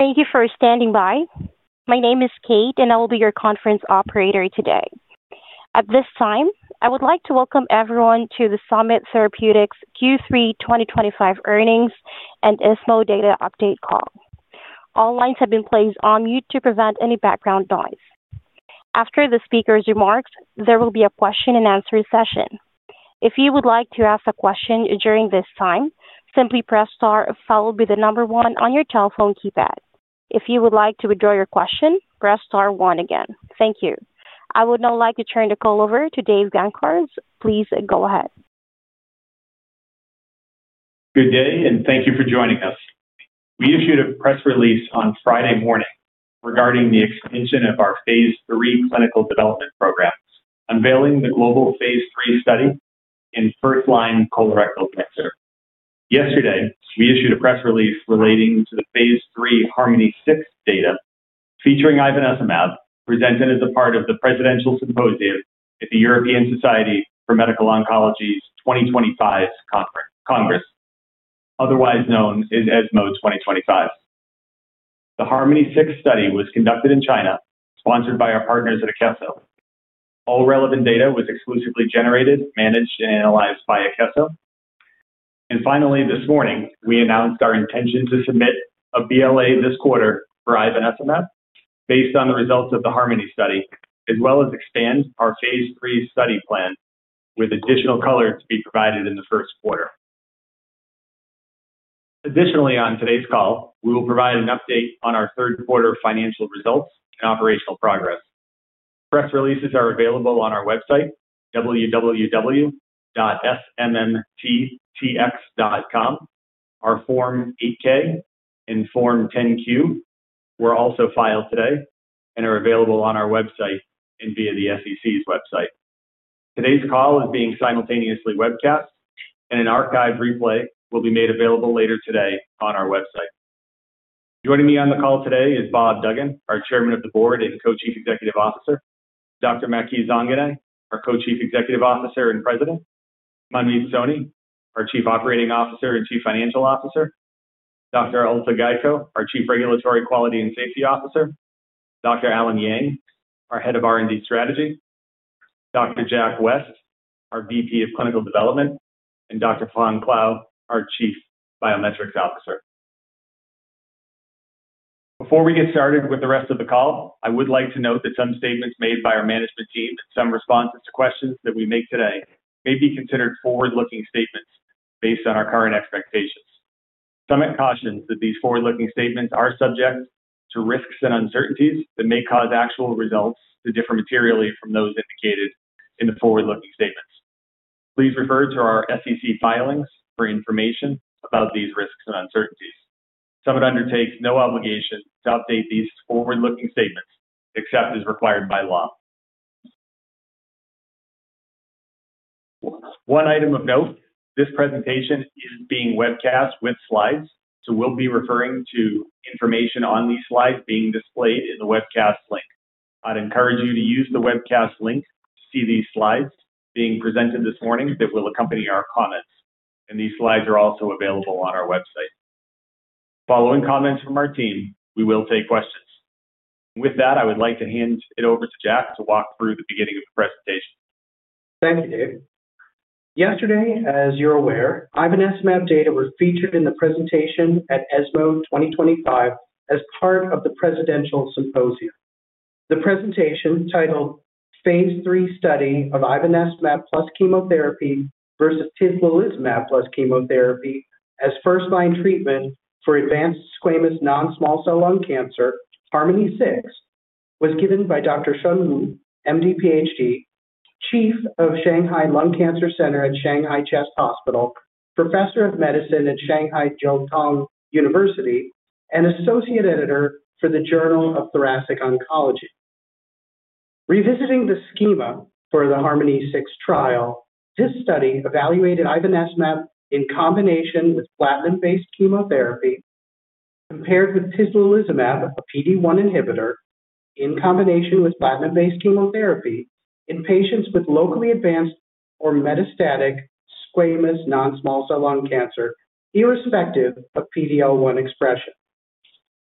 Thank you for standing by. My name is Kate, and I will be your conference operator today. At this time, I would like to welcome everyone to the Summit Therapeutics Q3 2025 earnings and ESMO data update call. All lines have been placed on mute to prevent any background noise. After the speaker's remarks, there will be a question and answer session. If you would like to ask a question during this time, simply press star followed by the number one on your telephone keypad. If you would like to withdraw your question, press star one again. Thank you. I would now like to turn the call over to Dave Gancarz. Please go ahead. Good day, and thank you for joining us. We issued a press release on Friday morning regarding the extension of our phase III clinical development program, unveiling the global phase III study in first-line colorectal cancer. Yesterday, we issued a press release relating to the phase III of HARMONi-6 data featuring ivonescimab presented as a part of the presidential symposium at the European Society for Medical Oncology's 2025 conference, otherwise known as ESMO 2025. The HARMONi-6 study was conducted in China, sponsored by our partners at Akeso. All relevant data was exclusively generated, managed, and analyzed by Akeso. Finally, this morning, we announced our intention to submit a BLA this quarter for ivonescimab based on the results of the HARMONi study, as well as expand our phase III study plan with additional color to be provided in the first quarter. Additionally, on today's call, we will provide an update on our third quarter financial results and operational progress. Press releases are available on our website, www.smmttx.com. Our Form 8-K and Form 10-Q were also filed today and are available on our website and via the SEC's website. Today's call is being simultaneously webcast, and an archived replay will be made available later today on our website. Joining me on the call today is Bob Duggan, our Chairman of the Board and Co-Chief Executive Officer, Dr. Maky Zanganeh, our Co-Chief Executive Officer and President, Manmeet Soni, our Chief Operating Officer and Chief Financial Officer, Dr. Urte Gayko, our Chief Regulatory Quality and Safety Officer, Dr. Allen Yang, our Head of R&D Strategy, Dr. Jack West, our VP of Clinical Development, and Dr. Fong Clow, our Chief Biometrics Officer. Before we get started with the rest of the call, I would like to note that some statements made by our management team and some responses to questions that we make today may be considered forward-looking statements based on our current expectations. Summit cautions that these forward-looking statements are subject to risks and uncertainties that may cause actual results to differ materially from those indicated in the forward-looking statements. Please refer to our SEC filings for information about these risks and uncertainties. Summit undertakes no obligation to update these forward-looking statements except as required by law. One item of note, this presentation is being webcast with slides, so we'll be referring to information on these slides being displayed in the webcast link. I'd encourage you to use the webcast link to see these slides being presented this morning that will accompany our comments. These slides are also available on our website. Following comments from our team, we will take questions. With that, I would like to hand it over to Jack to walk through the beginning of the presentation. Thank you, Dave. Yesterday, as you're aware, ivonescimab data were featured in the presentation at ESMO 2025 as part of the Presidential Symposium. The presentation titled "Phase III Study of Ivonescimab plus chemotherapy versus Tislelizumab plus chemotherapy as First-line Treatment for advanced squamous non-small cell lung cancer, HARMONi-6" was given by Dr. Shun Lu, MD, PhD, Chief of Shanghai Lung Cancer Center at Shanghai Chest Hospital, Professor of Medicine at Shanghai Jiao Tong University, and Associate Editor for the Journal of Thoracic Oncology. Revisiting the schema for the HARMONi-6 trial, this study evaluated ivonescimab in combination with platinum-based chemotherapy compared with tislelizumab, a PD-1 inhibitor, in combination with platinum-based chemotherapy in patients with locally advanced or metastatic squamous non-small cell lung cancer, irrespective of PD-L1 expression.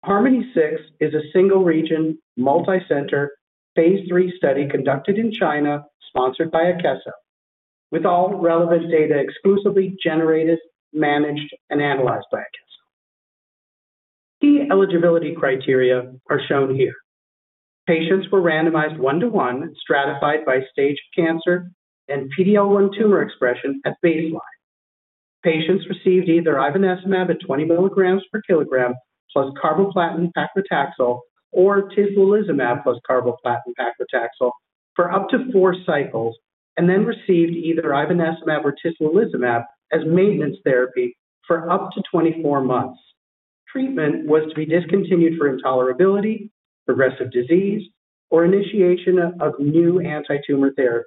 HARMONi-6 is a single-region multicenter phase III study conducted in China, sponsored by Akeso, with all relevant data exclusively generated, managed, and analyzed by Akeso. Key eligibility criteria are shown here. Patients were randomized one-to-one, stratified by stage of cancer and PD-L1 tumor expression at baseline. Patients received either ivonescimab at 20 mg/kg plus carboplatin and paclitaxel or tislelizumab plus carboplatin and paclitaxel for up to four cycles and then received either ivonescimab or tislelizumab as maintenance therapy for up to 24 months. Treatment was to be discontinued for intolerability, progressive disease, or initiation of new anti-tumor therapy.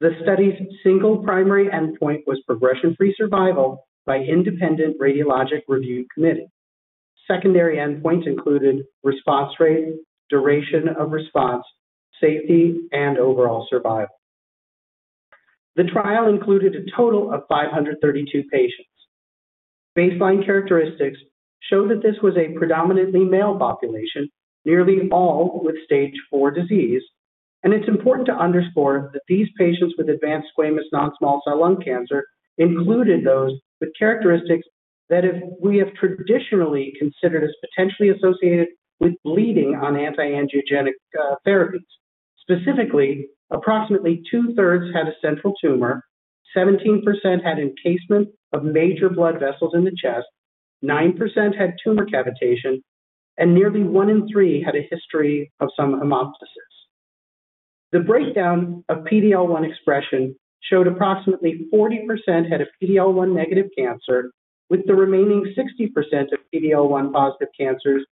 The study's single primary endpoint was progression-free survival by independent radiologic review committee. Secondary endpoints included response rate, duration of response, safety, and overall survival. The trial included a total of 532 patients. Baseline characteristics show that this was a predominantly male population, nearly all with stage four disease. It's important to underscore that these patients with advanced squamous non-small cell lung cancer included those with characteristics that we have traditionally considered as potentially associated with bleeding on anti-angiogenic therapies. Specifically, approximately 2/3 had a central tumor, 17% had encasement of major blood vessels in the chest, 9% had tumor cavitation, and nearly one in three had a history of some hemoptysis. The breakdown of PD-L1 expression showed approximately 40% had a PD-L1 negative cancer, with the remaining 60% of PD-L1 positive cancers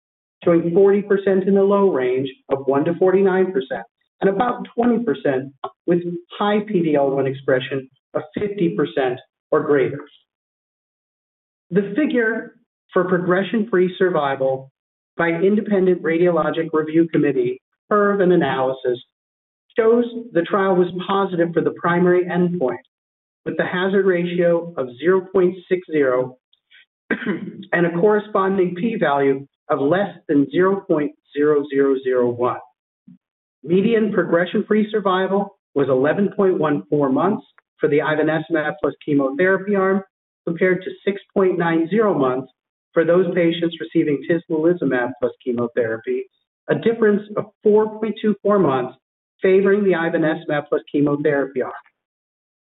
showing 40% in the low range of 1%-49% and about 20% with high PD-L1 expression of 50% or greater. The figure for progression-free survival by independent radiologic review committee curve and analysis shows the trial was positive for the primary endpoint with the hazard ratio of 0.60 and a corresponding p-value of less than 0.0001. Median progression-free survival was 11.14 months for the ivonescimab plus chemotherapy arm compared to 6.90 months for those patients receiving tislelizumab plus chemotherapy, a difference of 4.24 months favoring the ivonescimab plus chemotherapy arm.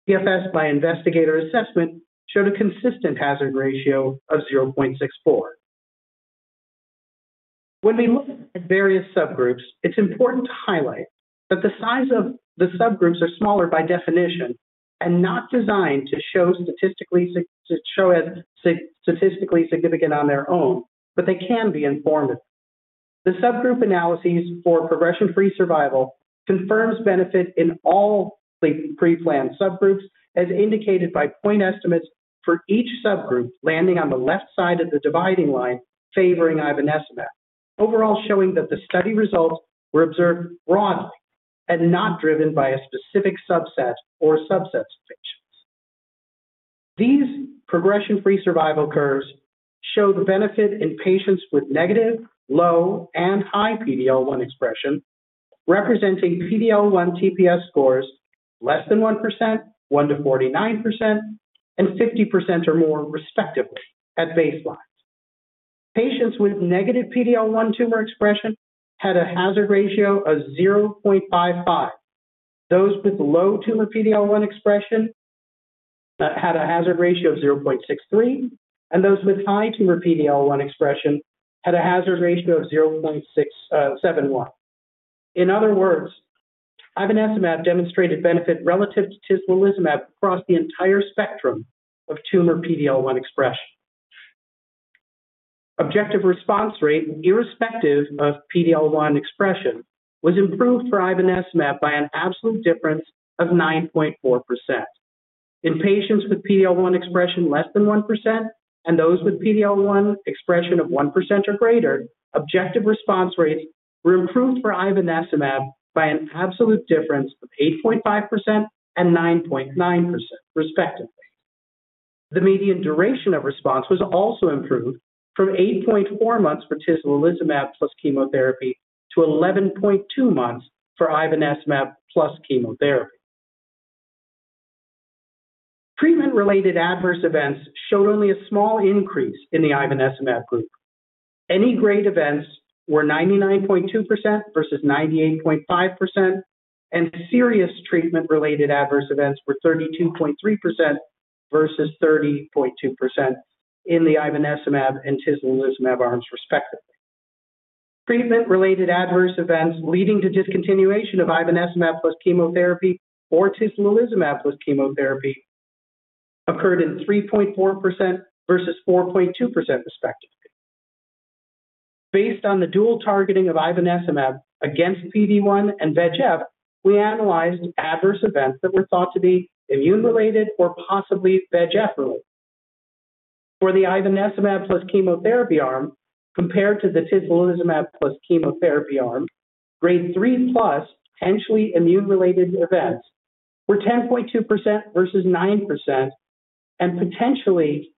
PFS by investigator assessment showed a consistent hazard ratio of 0.64. When we look at various subgroups, it's important to highlight that the size of the subgroups are smaller by definition and not designed to show statistically significant on their own, but they can be informative. The subgroup analyses for progression-free survival confirm benefit in all the pre-planned subgroups as indicated by point estimates for each subgroup landing on the left side of the dividing line favoring ivonescimab, overall showing that the study results were observed broadly and not driven by a specific subset or subsets of patients. These progression-free survival curves showed benefit in patients with negative, low, and high PD-L1 expression, representing PD-L1 TPS scores less than 1%, 1%-49%, and 50% or more, respectively, at baseline. Patients with negative PD-L1 tumor expression had a hazard ratio of 0.55. Those with low tumor PD-L1 expression had a hazard ratio of 0.63, and those with high tumor PD-L1 expression had a hazard ratio of 0.671. In other words, ivonescimab demonstrated benefit relative to tislelizumab across the entire spectrum of tumor PD-L1 expression. Objective response rate, irrespective of PD-L1 expression, was improved for ivonescimab by an absolute difference of 9.4%. In patients with PD-L1 expression less than 1% and those with PD-L1 expression of 1% or greater, objective response rates were improved for ivonescimab by an absolute difference of 8.5% and 9.9%, respectively. The median duration of response was also improved from 8.4 months for tislelizumab plus chemotherapy to 11.2 months for ivonescimab plus chemotherapy. Treatment-related adverse events showed only a small increase in the ivonescimab group. Any grade events were 99.2% versus 98.5%, and serious treatment-related adverse events were 32.3% versus 30.2% in the ivonescimab and tislelizumab arms, respectively. Treatment-related adverse events leading to discontinuation of ivonescimab plus chemotherapy or tislelizumab plus chemotherapy occurred in 3.4% versus 4.2%, respectively. Based on the dual targeting of ivonescimab against PD-1 and VEGF, we analyzed adverse events that were thought to be immune-related or possibly VEGF-related. For the ivonescimab plus chemotherapy arm, compared to the tislelizumab plus chemotherapy arm, Grade 3 plus potentially immune-related events were 10.2% versus 9%, and potentially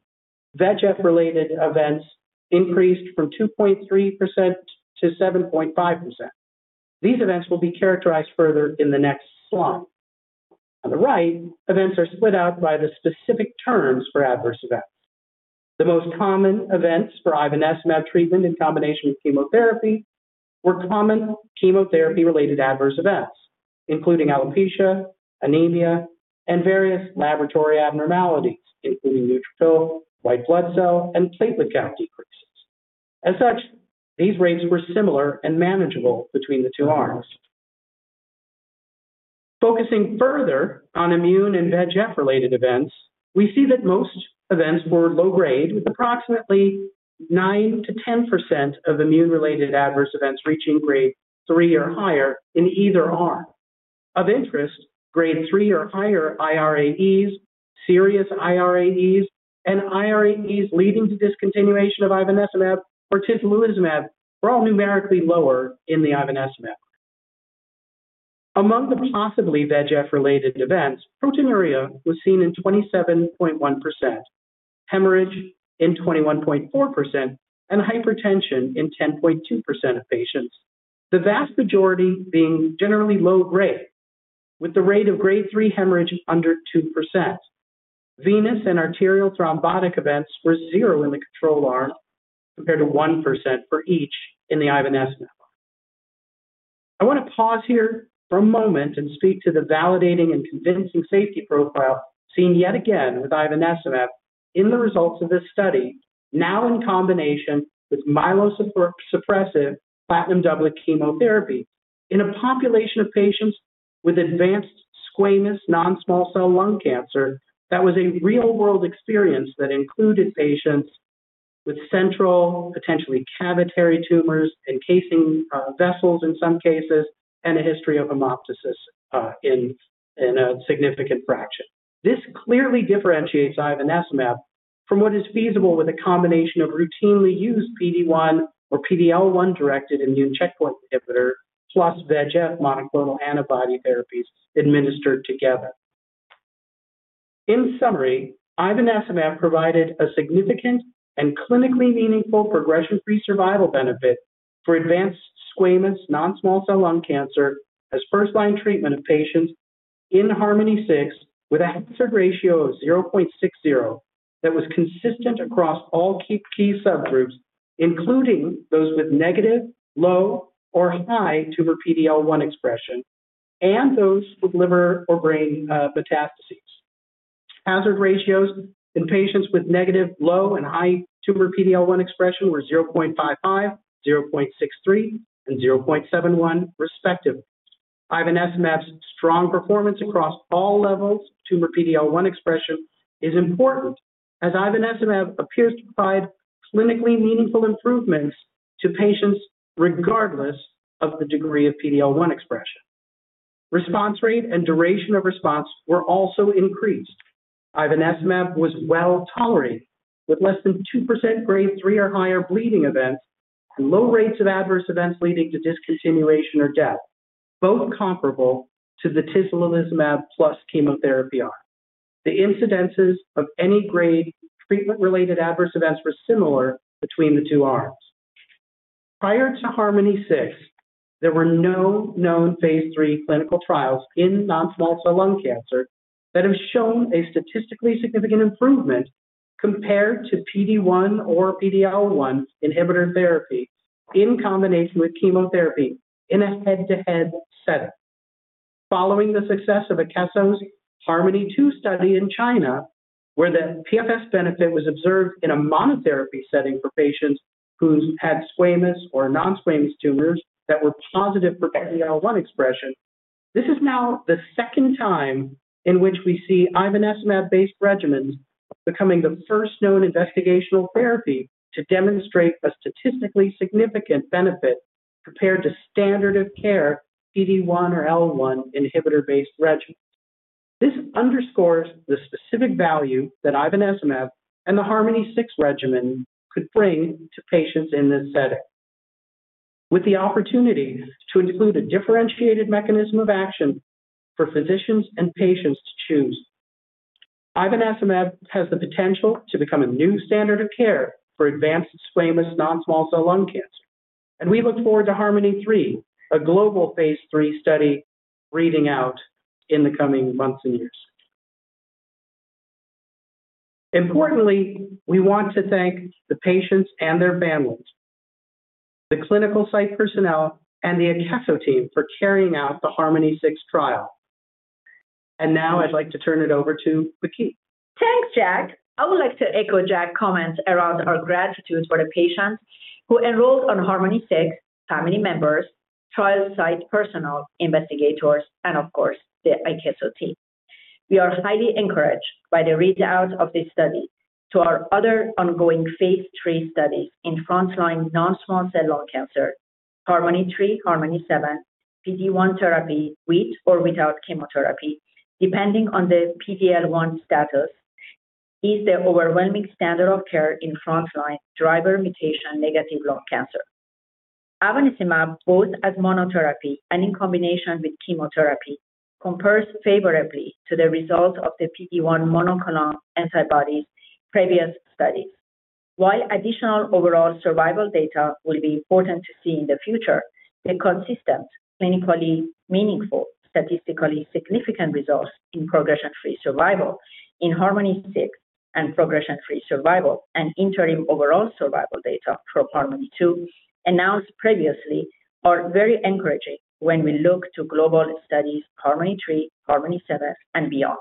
VEGF-related events increased from 2.3% to 7.5%. These events will be characterized further in the next slide. On the right, events are split out by the specific terms for adverse events. The most common events for ivonescimab treatment in combination with chemotherapy were common chemotherapy-related adverse events, including alopecia, anemia, and various laboratory abnormalities, including neutrophil, white blood cell, and platelet count decreases. As such, these rates were similar and manageable between the two arms. Focusing further on immune and VEGF-related events, we see that most events were low grade, with approximately 9%-10% of immune-related adverse events reaching Grade 3 or higher in either arm. Of interest, Grade 3 or higher irAEs, serious irAEs, and irAEs leading to discontinuation of ivonescimab or tislelizumab were all numerically lower in the ivonescimab group. Among the possibly VEGF-related events, proteinuria was seen in 27.1%, hemorrhage in 21.4%, and hypertension in 10.2% of patients, the vast majority being generally low grade, with the rate of Grade 3 hemorrhage under 2%. Venous and arterial thrombotic events were zero in the control arm, compared to 1% for each in the ivonescimab arm. I want to pause here for a moment and speak to the validating and convincing safety profile seen yet again with ivonescimab in the results of this study, now in combination with myelosuppressive platinum-doublet chemotherapy in a population of patients with advanced squamous non-small cell lung cancer that was a real-world experience that included patients with central, potentially cavitary tumors, encasing vessels in some cases, and a history of hemoptysis in a significant fraction. This clearly differentiates ivonescimab from what is feasible with a combination of routinely used PD-1 or PD-L1 directed immune checkpoint inhibitor plus VEGF monoclonal antibody therapies administered together. In summary, ivonescimab provided a significant and clinically meaningful progression-free survival benefit for advanced squamous non-small cell lung cancer as first-line treatment of patients in HARMONi-6 with a hazard ratio of 0.60 that was consistent across all key subgroups, including those with negative, low, or high tumor PD-L1 expression and those with liver or brain metastases. Hazard ratios in patients with negative, low, and high tumor PD-L1 expression were 0.55, 0.63, and 0.71, respectively. Ivonescimab's strong performance across all levels of tumor PD-L1 expression is important as ivonescimab appears to provide clinically meaningful improvements to patients regardless of the degree of PD-L1 expression. Response rate and duration of response were also increased. Ivonescimab was well tolerated, with less than 2% Grade 3 or higher bleeding events and low rates of adverse events leading to discontinuation or death, both comparable to the tislelizumab plus chemotherapy arm. The incidences of any grade treatment-related adverse events were similar between the two arms. Prior to HARMONi-6, there were no known phase III clinical trials in non-small cell lung cancer that have shown a statistically significant improvement compared to PD-1 or PD-L1 inhibitor therapy in combination with chemotherapy in a head-to-head setting. Following the success of Akeso's HARMONi-2 study in China, where the PFS benefit was observed in a monotherapy setting for patients who had squamous or non-squamous tumors that were positive for PD-L1 expression, this is now the second time in which we see ivonescimab-based regimens becoming the first known investigational therapy to demonstrate a statistically significant benefit compared to standard of care PD-1 or PD-L1 inhibitor-based regimens. This underscores the specific value that ivonescimab and the HARMONi-6 regimen could bring to patients in this setting. With the opportunity to include a differentiated mechanism of action for physicians and patients to choose, ivonescimab has the potential to become a new standard of care for advanced squamous non-small cell lung cancer. We look forward to HARMONi-3, a global phase III study reading out in the coming months and years. Importantly, we want to thank the patients and their families, the clinical site personnel, and the ESMO team for carrying out the HARMONi-6 trial. I'd like to turn it over to Maky. Thanks, Jack. I would like to echo Jack's comments around our gratitude for the patients who enrolled on HARMONi-6, family members, trial site personnel, investigators, and of course, the Akeso team. We are highly encouraged by the read-out of this study to our other ongoing phase III studies in front-line non-small cell lung cancer, HARMONi-3, HARMONi-7. PD-1 therapy with or without chemotherapy, depending on the PD-L1 status, is the overwhelming standard of care in front-line driver mutation negative lung cancer. Ivonescimab, both as monotherapy and in combination with chemotherapy, compares favorably to the results of the PD-1 monoclonal antibodies' previous studies. While additional overall survival data will be important to see in the future, the consistent, clinically meaningful, statistically significant results in progression-free survival in HARMONi-6 and progression-free survival and interim overall survival data from HARMONi-2 announced previously are very encouraging when we look to global studies HARMONi-3, HARMONi-7, and beyond.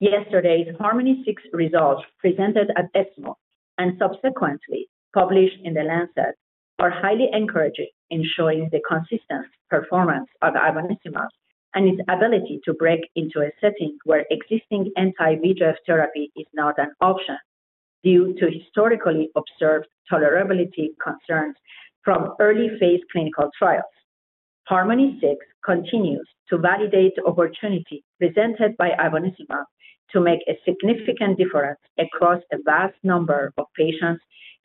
Yesterday's HARMONi-6 results presented at ESMO and subsequently published in The Lancet are highly encouraging in showing the consistent performance of ivonescimab and its ability to break into a setting where existing anti-VEGF therapy is not an option due to historically observed tolerability concerns from early phase clinical trials. HARMONi-6 continues to validate the opportunity presented by ivonescimab to make a significant difference across a vast number of patients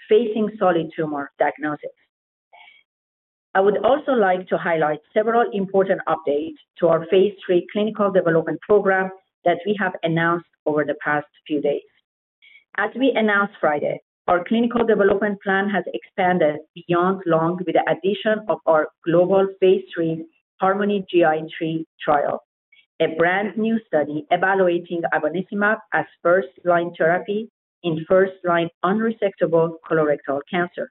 facing solid tumor diagnosis. I would also like to highlight several important updates to our phase III clinical development program that we have announced over the past few days. As we announced Friday, our clinical development plan has expanded beyond lung with the addition of our global phase III HARMONi-GI3 trial, a brand new study evaluating ivonescimab as first-line therapy in first-line unresectable metastatic colorectal cancer,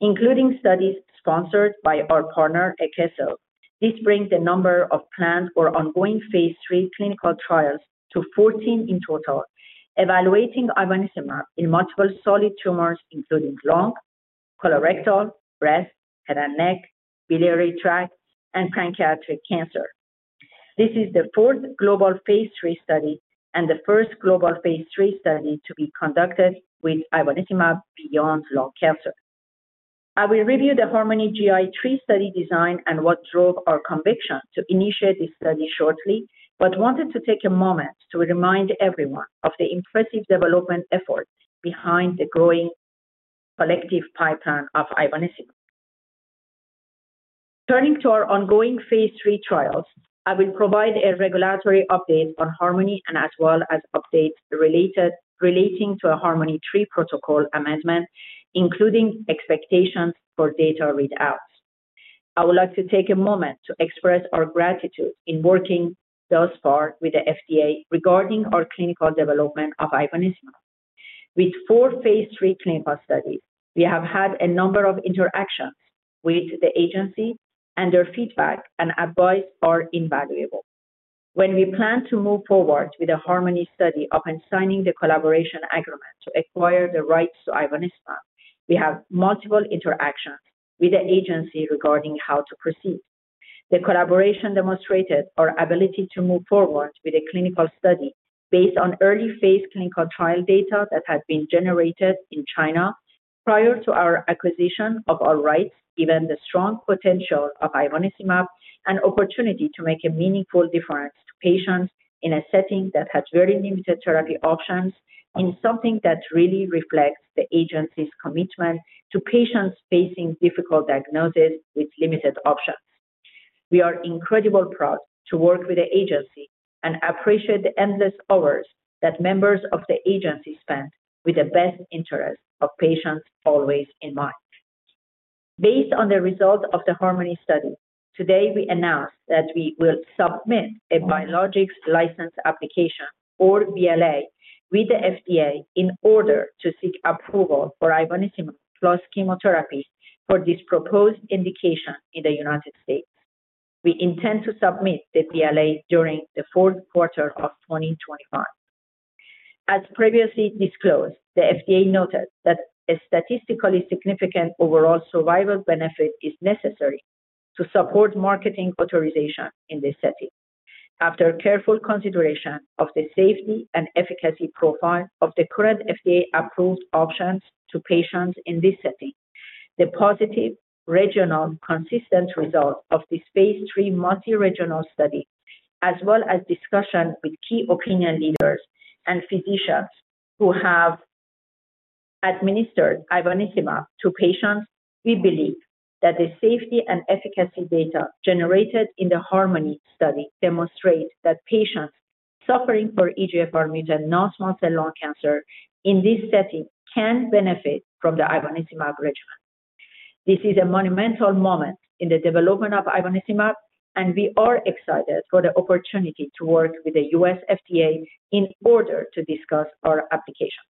including studies sponsored by our partner Akeso. This brings the number of planned or ongoing phase III clinical trials to 14 in total, evaluating ivonescimab in multiple solid tumors, including lung, colorectal, breast, head and neck, biliary tract, and pancreatic cancer. This is the fourth global phase III study and the first global phase III study to be conducted with ivonescimab beyond lung cancer. I will review the HARMONi-GI3 study design and what drove our conviction to initiate this study shortly, but wanted to take a moment to remind everyone of the impressive development effort behind the growing collective pipeline of ivonescimab. Turning to our ongoing phase III trials, I will provide a regulatory update on HARMONi and as well as updates relating to a HARMONi-3 protocol amendment, including expectations for data read-outs. I would like to take a moment to express our gratitude in working thus far with the FDA regarding our clinical development of ivonescimab. With four phase III clinical studies, we have had a number of interactions with the agency, and their feedback and advice are invaluable. When we plan to move forward with the HARMONi study upon signing the collaboration agreement to acquire the rights to ivonescimab, we have multiple interactions with the agency regarding how to proceed. The collaboration demonstrated our ability to move forward with a clinical study based on early phase clinical trial data that had been generated in China prior to our acquisition of our rights, given the strong potential of ivonescimab and opportunity to make a meaningful difference to patients in a setting that had very limited therapy options in something that really reflects the agency's commitment to patients facing difficult diagnoses with limited options. We are incredibly proud to work with the agency and appreciate the endless hours that members of the agency spend with the best interest of patients always in mind. Based on the results of the HARMONi study, today we announced that we will submit a Biologics License Application or BLA with the FDA in order to seek approval for ivonescimab plus chemotherapy for this proposed indication in the United States. We intend to submit the BLA during the fourth quarter of 2025. As previously disclosed, the FDA noted that a statistically significant overall survival benefit is necessary to support marketing authorization in this setting. After careful consideration of the safety and efficacy profile of the current FDA-approved options to patients in this setting, the positive regional consistent result of this phase III multi-regional study, as well as discussion with key opinion leaders and physicians who have administered ivonescimab to patients, we believe that the safety and efficacy data generated in the HARMONi study demonstrate that patients suffering from EGFR mutant non-small cell lung cancer in this setting can benefit from the ivonescimab regimen. This is a monumental moment in the development of ivonescimab, and we are excited for the opportunity to work with the U.S. FDA in order to discuss our application.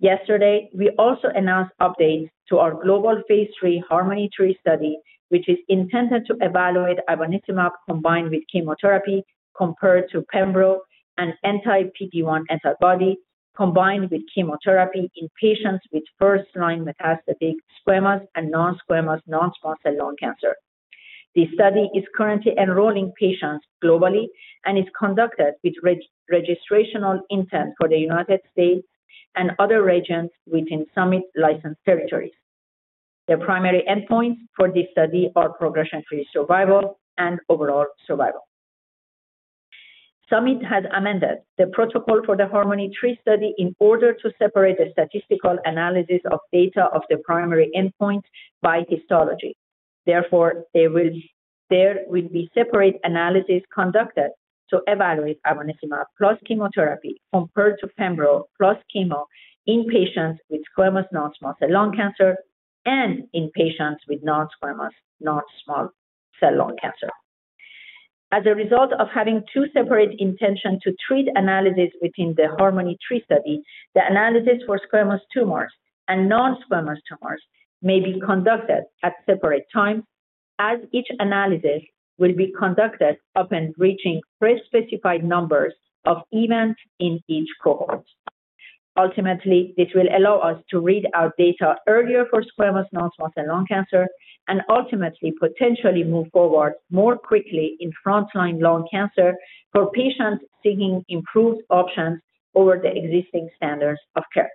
Yesterday, we also announced updates to our global phase III HARMONi-3 study, which is intended to evaluate ivonescimab combined with chemotherapy compared to pembrolizumab, an anti-PD-1 antibody, combined with chemotherapy in patients with first-line metastatic squamous and non-squamous non-small cell lung cancer. The study is currently enrolling patients globally and is conducted with registrational intent for the United States and other regions within Summit Licensed Territories. The primary endpoints for this study are progression-free survival and overall survival. Summit has amended the protocol for the HARMONi-3 study in order to separate the statistical analysis of data of the primary endpoint by histology. Therefore, there will be separate analyses conducted to evaluate ivonescimab plus chemotherapy compared to pembrolizumab plus chemo in patients with squamous non-small cell lung cancer and in patients with non-squamous non-small cell lung cancer. As a result of having two separate intentions to treat analyses within the HARMONi-3 study, the analyses for squamous tumors and non-squamous tumors may be conducted at separate times, as each analysis will be conducted upon reaching pre-specified numbers of events in each cohort. Ultimately, this will allow us to read out data earlier for squamous non-small cell lung cancer and ultimately potentially move forward more quickly in front-line lung cancer for patients seeking improved options over the existing standards of care.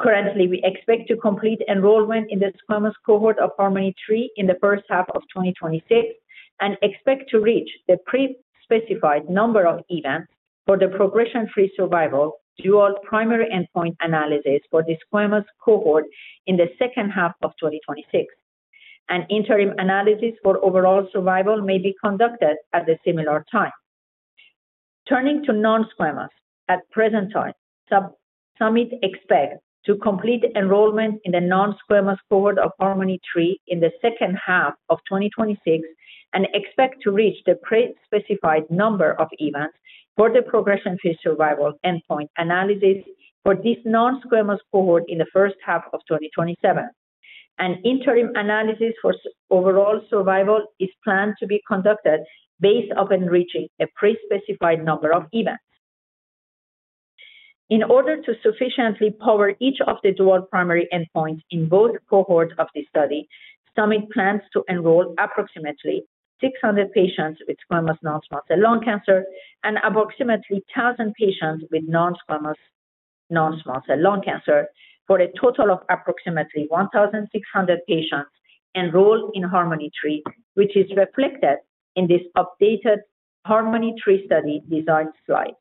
Currently, we expect to complete enrollment in the squamous cohort of HARMONi-3 in the first half of 2026 and expect to reach the pre-specified number of events for the progression-free survival dual primary endpoint analyses for the squamous cohort in the second half of 2026. An interim analysis for overall survival may be conducted at a similar time. Turning to non-squamous, at the present time, Summit expects to complete enrollment in the non-squamous cohort of HARMONi-3 in the second half of 2026 and expects to reach the pre-specified number of events for the progression-free survival endpoint analyses for this non-squamous cohort in the first half of 2027. An interim analysis for overall survival is planned to be conducted based upon reaching a pre-specified number of events. In order to sufficiently power each of the dual primary endpoints in both cohorts of this study, Summit plans to enroll approximately 600 patients with squamous non-small cell lung cancer and approximately 1,000 patients with non-squamous non-small cell lung cancer for a total of approximately 1,600 patients enrolled in HARMONi-3, which is reflected in this updated HARMONi-3 study design slide.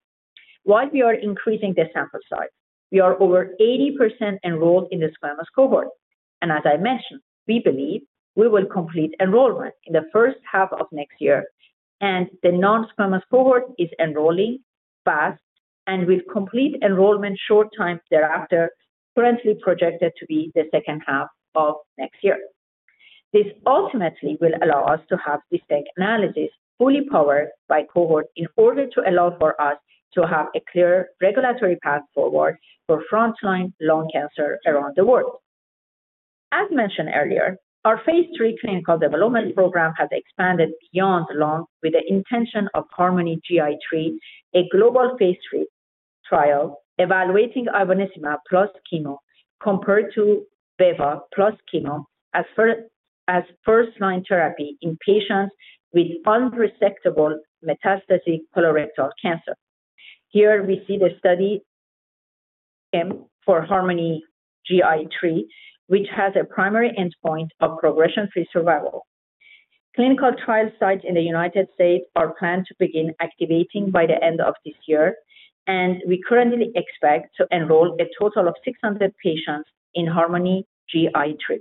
While we are increasing the sample size, we are over 80% enrolled in the squamous cohort. As I mentioned, we believe we will complete enrollment in the first half of next year, and the non-squamous cohort is enrolling fast and will complete enrollment a short time thereafter, currently projected to be the second half of next year. This ultimately will allow us to have this analysis fully powered by cohort in order to allow for us to have a clear regulatory path forward for front-line lung cancer around the world. As mentioned earlier, our phase III clinical development program has expanded beyond lung with the intention of HARMONi-GI3, a global phase III trial evaluating ivonescimab plus chemo compared to VEGF plus chemo as first-line therapy in patients with unresectable metastatic colorectal cancer. Here, we see the study scheme for HARMONi-GI3, which has a primary endpoint of progression-free survival. Clinical trial sites in the United States are planned to begin activating by the end of this year, and we currently expect to enroll a total of 600 patients in HARMONi-GI3.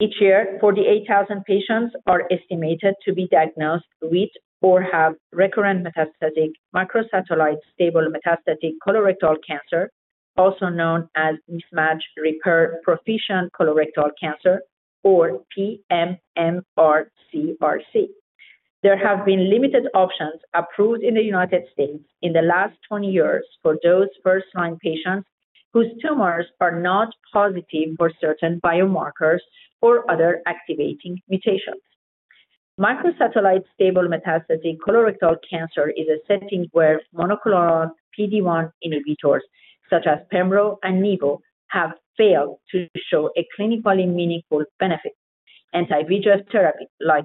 Each year, 48,000 patients are estimated to be diagnosed with or have recurrent metastatic microsatellite stable metastatic colorectal cancer, also known as mismatched repair proficient colorectal cancer or pMMR CRC. There have been limited options approved in the United States in the last 20 years for those first-line patients whose tumors are not positive for certain biomarkers or other activating mutations. Microsatellite stable metastatic colorectal cancer is a setting where monoclonal PD-1 inhibitors such as pembrolizumab and nivolumab have failed to show a clinically meaningful benefit. Anti-VEGF therapy like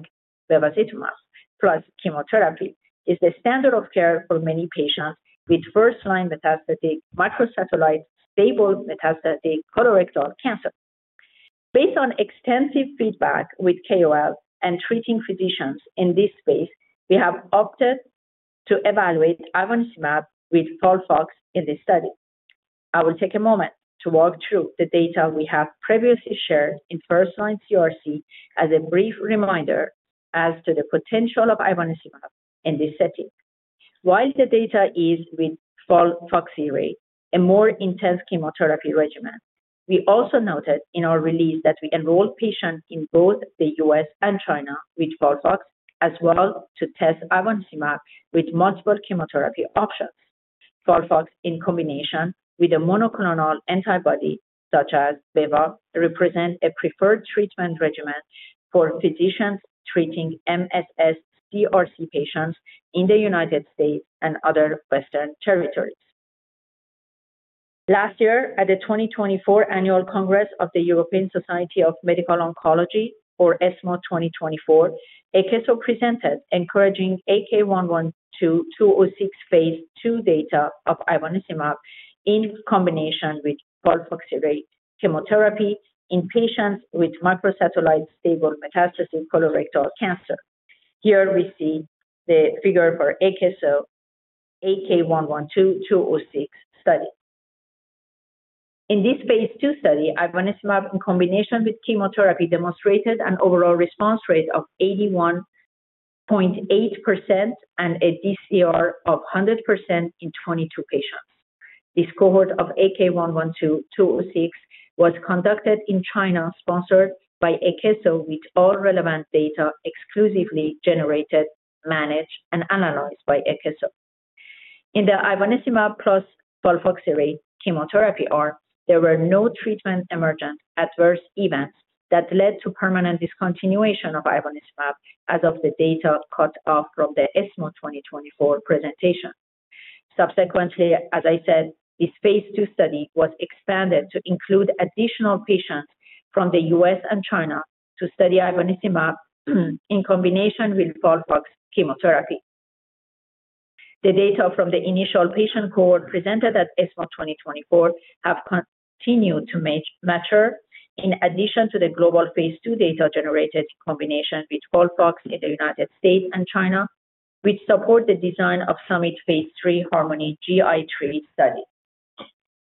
bevacizumab plus chemotherapy is the standard of care for many patients with first-line metastatic microsatellite stable metastatic colorectal cancer. Based on extensive feedback with KOL and treating physicians in this space, we have opted to evaluate ivonescimab with FOLFOX in this study. I will take a moment to walk through the data we have previously shared in first-line CRC as a brief reminder as to the potential of ivonescimab in this setting. While the data is with FOLFOXIRI, a more intense chemotherapy regimen, we also noted in our release that we enrolled patients in both the U.S. and China with FOLFOX as well to test ivonescimab with multiple chemotherapy options. FOLFOX in combination with a monoclonal antibody such as VEGF represents a preferred treatment regimen for physicians treating MSS CRC patients in the United States and other Western territories. Last year, at the 2024 annual Congress of the European Society for Medical Oncology, or ESMO 2024, Akeso presented encouraging AK112-206 phase II data of ivonescimab in combination with FOLFOXIRI chemotherapy in patients with microsatellite stable metastatic colorectal cancer. Here, we see the figure for the AK112-206 study. In this phase II study, ivonescimab in combination with chemotherapy demonstrated an overall response rate of 81.8% and a DCR of 100% in 22 patients. This cohort of AK112-206 was conducted in China, sponsored by Akeso, with all relevant data exclusively generated, managed, and analyzed by Akeso. In the ivonescimab plus FOLFOXIRI chemotherapy arm, there were no treatment-emergent adverse events that led to permanent discontinuation of ivonescimab as of the data cut off from the ESMO 2024 presentation. Subsequently, as I said, this phase II study was expanded to include additional patients from the U.S. and China to study ivonescimab in combination with FOLFOX chemotherapy. The data from the initial patient cohort presented at ESMO 2024 have continued to mature, in addition to the global phase II data generated in combination with FOLFOX in the United States and China, which support the design of Summit Phase III HARMONi-GI3 study.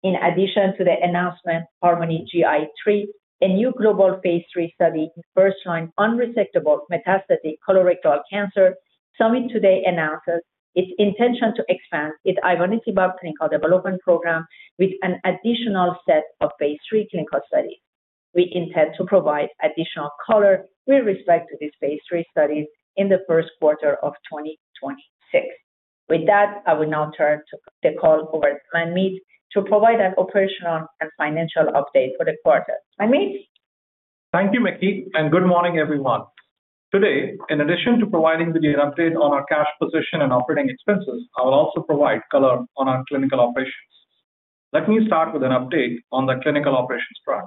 In addition to the announcement of HARMONi-GI3, a new global phase III study in first-line unresectable metastatic colorectal cancer, Summit today announces its intention to expand its ivonescimab clinical development program with an additional set of phase III clinical studies. We intend to provide additional color with respect to these phase III studies in the first quarter of 2026. With that, I will now turn the call over to Manmeet to provide an operational and financial update for the quarter. Manmeet? Thank you, Maky, and good morning, everyone. Today, in addition to providing you with an update on our cash position and operating expenses, I will also provide color on our clinical operations. Let me start with an update on the clinical operations track.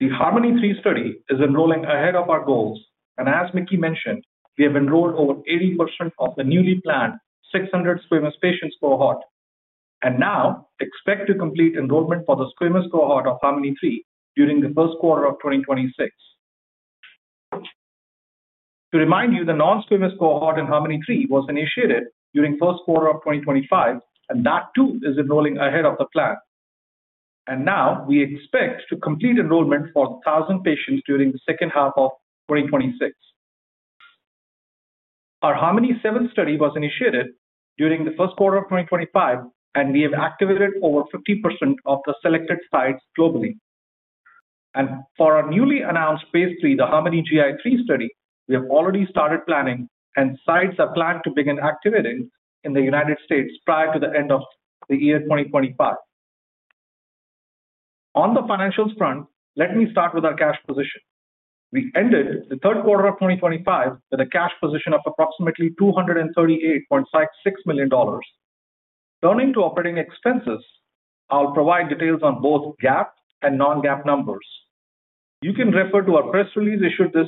The HARMONi-3 study is enrolling ahead of our goals, and as Maky mentioned, we have enrolled over 80% of the newly planned 600 squamous patients cohort and now expect to complete enrollment for the squamous cohort of HARMONi-3 during the first quarter of 2026. To remind you, the non-squamous cohort in HARMONi-3 was initiated during the first quarter of 2025, and that too is enrolling ahead of the plan. We now expect to complete enrollment for 1,000 patients during the second half of 2026. Our HARMONi-7 study was initiated during the first quarter of 2025, and we have activated over 50% of the selected sites globally. For our newly announced phase III, the HARMONi-GI3 study, we have already started planning, and sites are planned to begin activating in the United States prior to the end of the year 2025. On the financials front, let me start with our cash position. We ended the third quarter of 2025 with a cash position of approximately $238.56 million. Turning to operating expenses, I'll provide details on both GAAP and non-GAAP numbers. You can refer to our press release issued this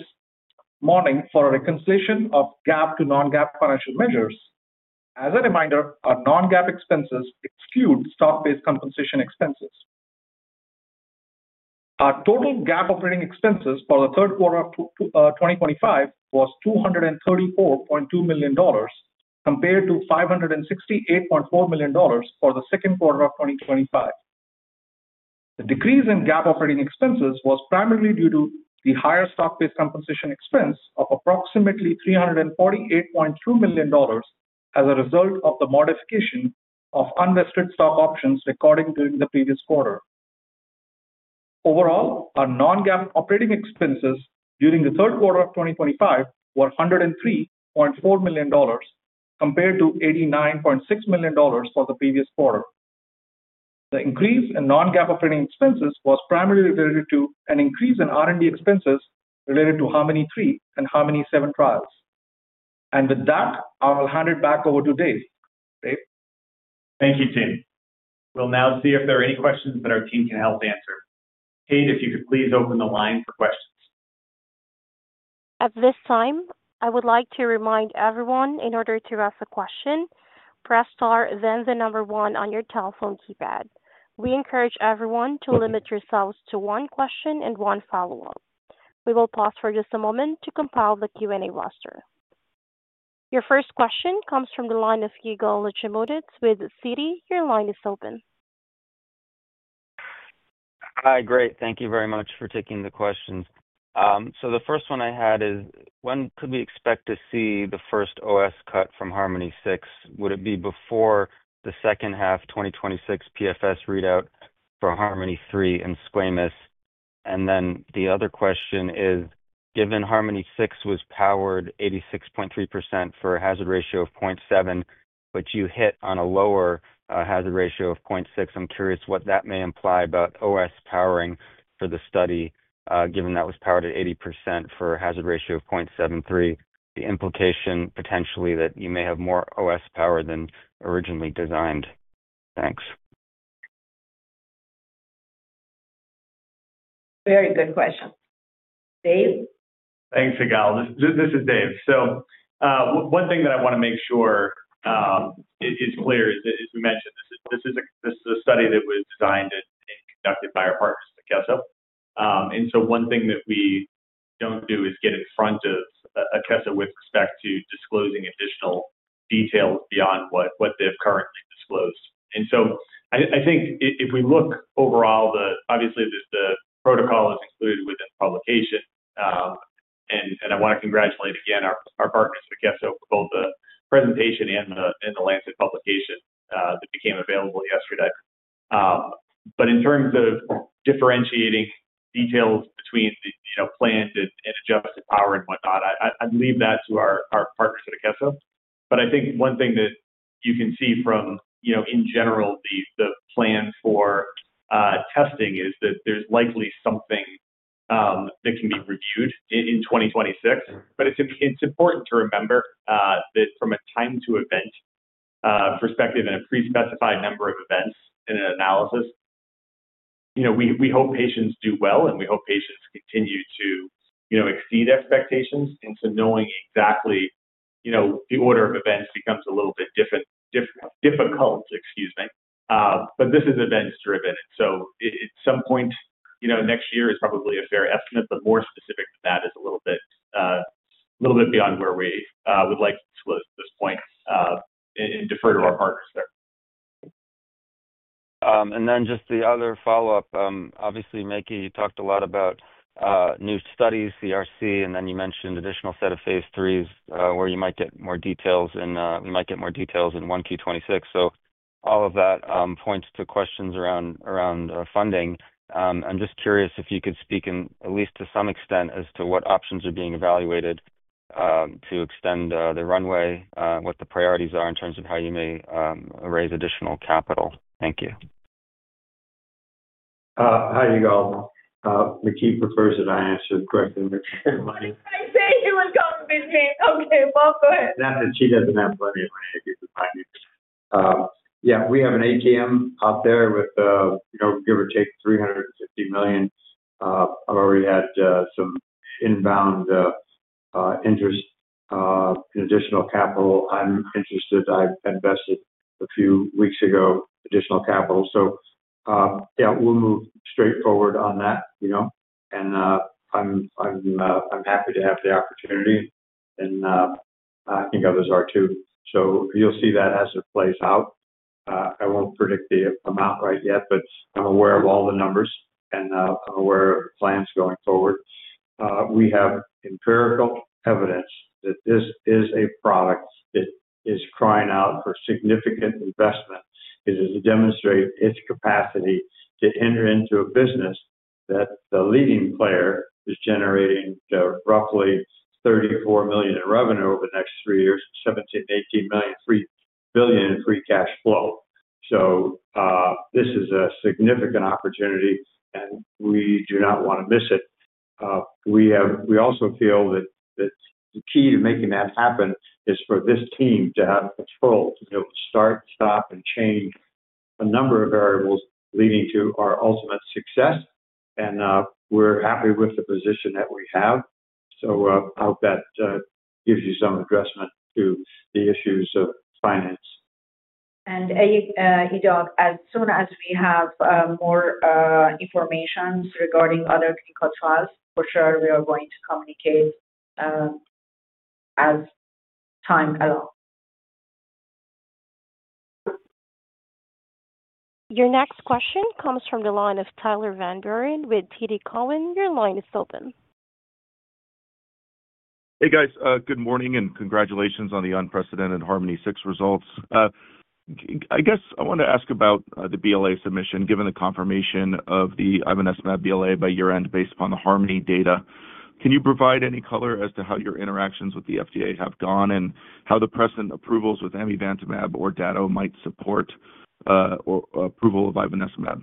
morning for a reconciliation of GAAP to non-GAAP financial measures. As a reminder, our non-GAAP expenses exclude stock-based compensation expenses. Our total GAAP operating expenses for the third quarter of 2025 were $234.2 million compared to $568.4 million for the second quarter of 2025. The decrease in GAAP operating expenses was primarily due to the higher stock-based compensation expense of approximately $348.2 million as a result of the modification of unrestricted stock options recorded during the previous quarter. Overall, our non-GAAP operating expenses during the third quarter of 2025 were $103.4 million compared to $89.6 million for the previous quarter. The increase in non-GAAP operating expenses was primarily related to an increase in R&D expenses related to HARMONi-3 and HARMONi-7 trials. With that, I will hand it back over to Dave. Thank you, team. We'll now see if there are any questions that our team can help answer. Kate, if you could please open the line for questions. At this time, I would like to remind everyone in order to ask a question, press star then the number one on your telephone keypad. We encourage everyone to limit yourselves to one question and one follow-up. We will pause for just a moment to compile the Q&A roster. Your first question comes from the line of Yigal Nochomovitz with Citi. Your line is open. Hi. Great. Thank you very much for taking the questions. The first one I had is, when could we expect to see the first OS cut from HARMONi-6? Would it be before the second half 2026 PFS read-out for HARMONi-3 and squamous? The other question is, given HARMONi-6 was powered 86.3% for a hazard ratio of 0.7, but you hit on a lower hazard ratio of 0.6, I'm curious what that may imply about OS powering for the study, given that it was powered at 80% for a hazard ratio of 0.73. The implication potentially that you may have more OS power than originally designed. Thanks. Very good question. Dave? Thanks. This is Dave. One thing that I want to make sure is clear is that, as we mentioned, this is a study that was designed and conducted by our partners at Akeso. One thing that we don't do is get in front of Akeso. with respect to disclosing additional details beyond what they've currently disclosed. I think if we look overall, obviously the protocol is included within the publication. I want to congratulate again our partners at Akeso. for both the presentation and The Lancet publication that became available yesterday. In terms of differentiating details between the planned and adjusted power and whatnot, I'd leave that to our partners at Akeso. I think one thing that you can see from, in general, the plan for testing is that there's likely something that can be reviewed in 2026. It's important to remember that from a time-to-event perspective and a pre-specified number of events in an analysis, we hope patients do well, and we hope patients continue to exceed expectations. Knowing exactly the order of events becomes a little bit difficult, excuse me. This is events-driven. At some point, next year is probably a fair estimate, but more specific than that is a little bit beyond where we would like to disclose at this point and defer to our partners there. Just the other follow-up. Obviously, Maky, you talked a lot about new studies, CRC, and then you mentioned an additional set of phase IIIs where you might get more details, and we might get more details in 1Q 2026. All of that points to questions around funding. I'm just curious if you could speak at least to some extent as to what options are being evaluated to extend the runway, what the priorities are in terms of how you may raise additional capital. Thank you. Hi, Yigal. Maky prefers that I answer directly. I see you were going busy. Okay, Bob, go ahead. She doesn't have plenty of money to buy me. Yeah, we have an ATM out there with, you know, give or take $350 million. I've already had some inbound interest in additional capital. I'm interested. I invested a few weeks ago in additional capital. Yeah, we'll move straight forward on that, you know. I'm happy to have the opportunity, and I think others are too. You'll see that as it plays out. I won't predict the amount right yet, but I'm aware of all the numbers, and I'm aware of the plans going forward. We have empirical evidence that this is a product that is crying out for significant investment. It has demonstrated its capacity to enter into a business that the leading player is generating roughly $34 million in revenue over the next three years and $17 million-$18 million in free cash flow. This is a significant opportunity, and we do not want to miss it. We also feel that the key to making that happen is for this team to have control, to be able to start, stop, and change a number of variables leading to our ultimate success. We're happy with the position that we have. I hope that gives you some addressment to the issues of finance. As soon as we have more information regarding other clinical trials, for sure we are going to communicate as time allows. Your next question comes from the line of Tyler Van Buren with TD Cowen. Your line is open. Hey, guys. Good morning and congratulations on the unprecedented HARMONi-6 results. I guess I want to ask about the BLA submission, given the confirmation of the ivonescimab BLA by year-end based upon the HARMONi data. Can you provide any color as to how your interactions with the FDA have gone and how the present approvals with amivantamab or dato might support approval of ivonescimab?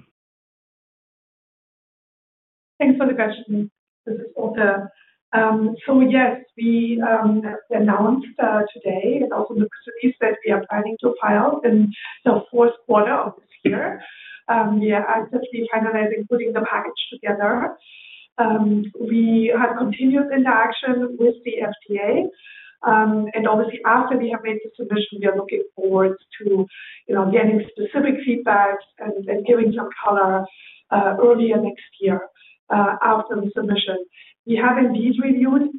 Thanks for the question. This is Urte. Yes, we announced today and also the press release that we are planning to file in the fourth quarter of this year. As we finalize including the package together, we had continuous interaction with the FDA. Obviously, after we have made the submission, we are looking forward to getting specific feedback and giving some color earlier next year after the submission. We have indeed reviewed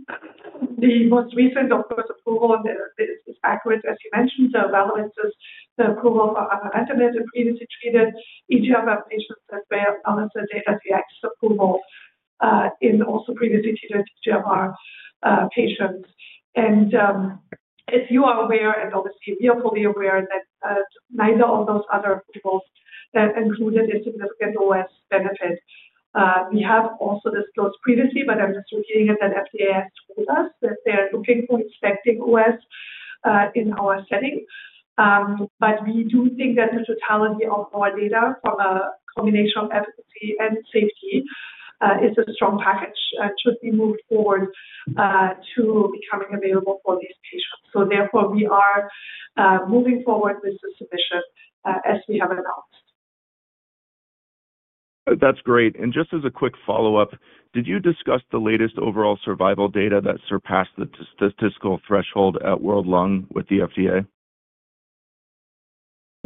the most recent, of course, approval, and it's accurate, as you mentioned. The relevance is the approval for ivonescimab, the previously treated EGFR patients as well as the [HKEX] approval in also previously treated EGFR patients. As you are aware, and obviously, we are fully aware that neither of those other approvals included a significant OS benefit. We have also disclosed previously, but I'm just repeating it, that FDA has told us that they're looking for expecting OS in our setting. We do think that the totality of our data from a combination of efficacy and safety is a strong package and should be moved forward to becoming available for these patients. Therefore, we are moving forward with the submission as we have announced. That's great. Just as a quick follow-up, did you discuss the latest overall survival data that surpassed the statistical threshold at World Lung with the FDA?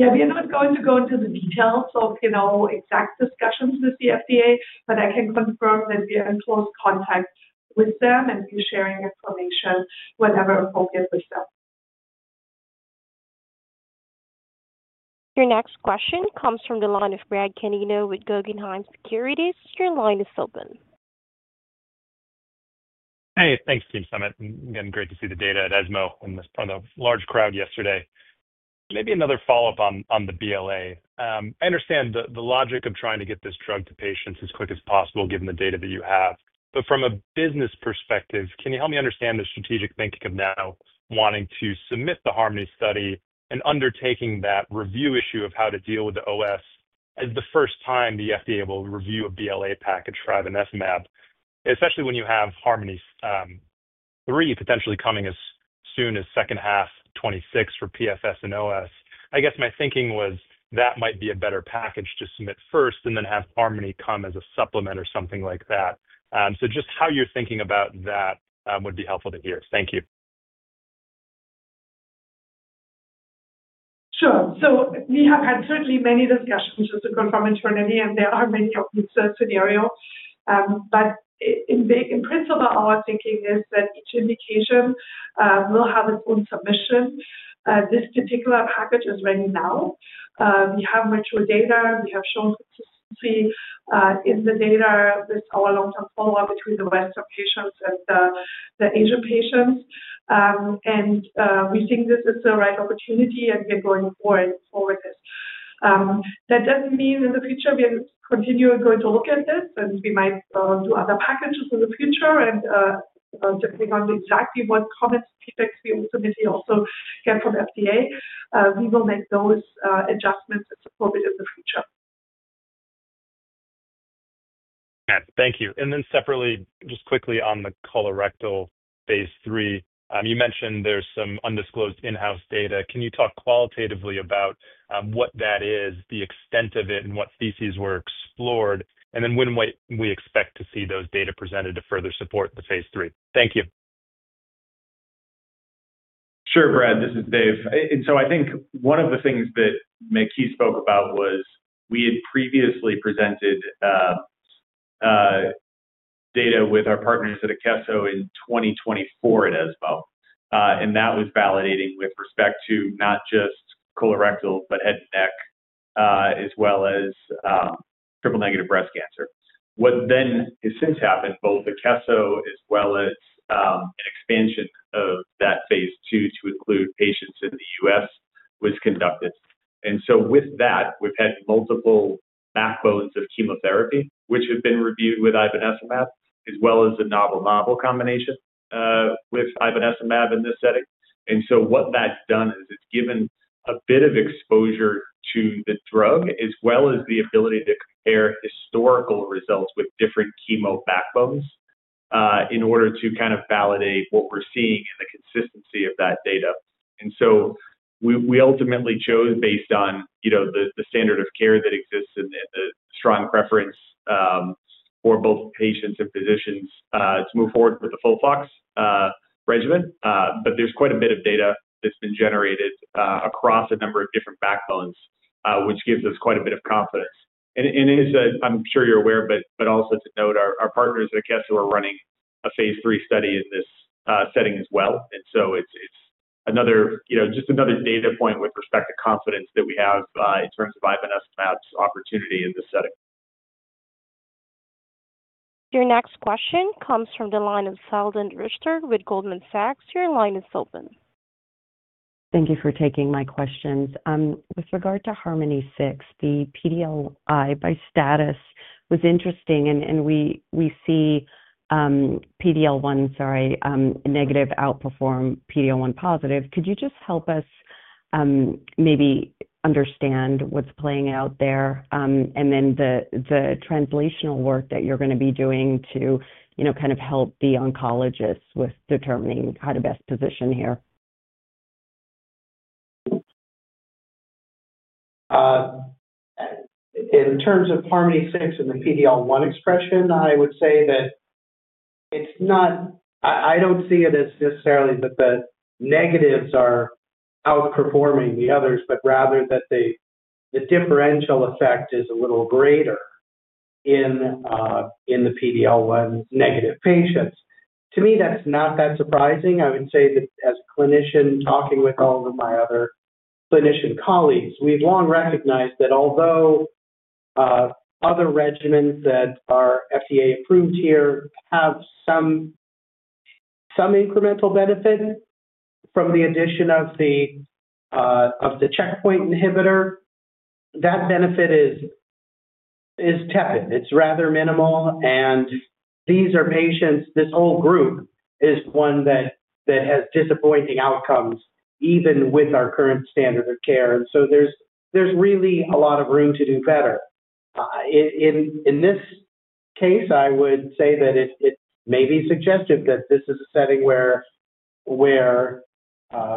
Yeah, we are not going to go into the details of exact discussions with the FDA, but I can confirm that we are in close contact with them, and we are sharing information whenever appropriate with them. Your next question comes from the line of Brad Canino with Guggenheim Securities. Your line is open. Hey, thanks, team Summit. Again, great to see the data at ESMO in front of a large crowd yesterday. Maybe another follow-up on the BLA. I understand the logic of trying to get this drug to patients as quick as possible, given the data that you have. From a business perspective, can you help me understand the strategic thinking of now wanting to submit the HARMONi study and undertaking that review issue of how to deal with the OS as the first time the FDA will review a BLA package for ivonescimab, especially when you have HARMONi-3 potentially coming as soon as second half 2026 for PFS and OS? I guess my thinking was that might be a better package to submit first and then have HARMONi come as a supplement or something like that. Just how you're thinking about that would be helpful to hear. Thank you. We have had certainly many discussions, just to confirm internally, and there are many of these scenarios. In principle, our thinking is that each indication will have its own submission. This particular package is ready now. We have virtual data. We have shown consistency in the data with our long-term follow-up between the Western patients and the Asian patients. We think this is the right opportunity, and we are going forward with this. That doesn't mean in the future we are continually going to look at this, and we might do other packages in the future. Depending on exactly what comments and feedback we ultimately also get from the FDA, we will make those adjustments and support it in the future. Got it. Thank you. Just quickly on the colorectal phase III, you mentioned there's some undisclosed in-house data. Can you talk qualitatively about what that is, the extent of it, and what theses were explored? When might we expect to see those data presented to further support the phase III? Thank you. Sure, Brad. This is Dave. I think one of the things that Maky spoke about was we had previously presented data with our partners at Akeso in 2024 at ESMO. That was validating with respect to not just colorectal, but head and neck, as well as triple-negative breast cancer. What has since happened, both Akeso as well as an expansion of that phase II to include patients in the U.S., was conducted. With that, we've had multiple backbones of chemotherapy, which have been reviewed with ivonescimab, as well as a novel-novel combination with ivonescimab in this setting. What that's done is it's given a bit of exposure to the drug, as well as the ability to compare historical results with different chemo backbones in order to kind of validate what we're seeing and the consistency of that data. We ultimately chose based on the standard of care that exists and the strong preference for both patients and physicians to move forward with the FOLFOX regimen. There's quite a bit of data that's been generated across a number of different backbones, which gives us quite a bit of confidence. As I'm sure you're aware, but also to note, our partners at Akeso Inc. are running a phase III study in this setting as well. It's just another data point with respect to confidence that we have in terms of ivonescimab's opportunity in this setting. Your next question comes from the line of Salveen Richter with Goldman Sachs. Your line is open. Thank you for taking my questions. With regard to HARMONi-6, the PD-L1 by status was interesting, and we see PD-L1, sorry, negative outperform PD-L1 positive. Could you just help us maybe understand what's playing out there, and then the translational work that you're going to be doing to kind of help the oncologists with determining how to best position here? In terms of HARMONi-6 and the PD-L1 expression, I would say that it's not, I don't see it as necessarily that the negatives are outperforming the others, but rather that the differential effect is a little greater in the PD-L1 negative patients. To me, that's not that surprising. I would say that as a clinician talking with all of my other clinician colleagues, we've long recognized that although other regimens that are FDA approved here have some incremental benefit from the addition of the checkpoint inhibitor, that benefit is tepid. It's rather minimal. These are patients, this whole group is one that has disappointing outcomes even with our current standard of care. There's really a lot of room to do better. In this case, I would say that it may be suggestive that this is a setting where VEGF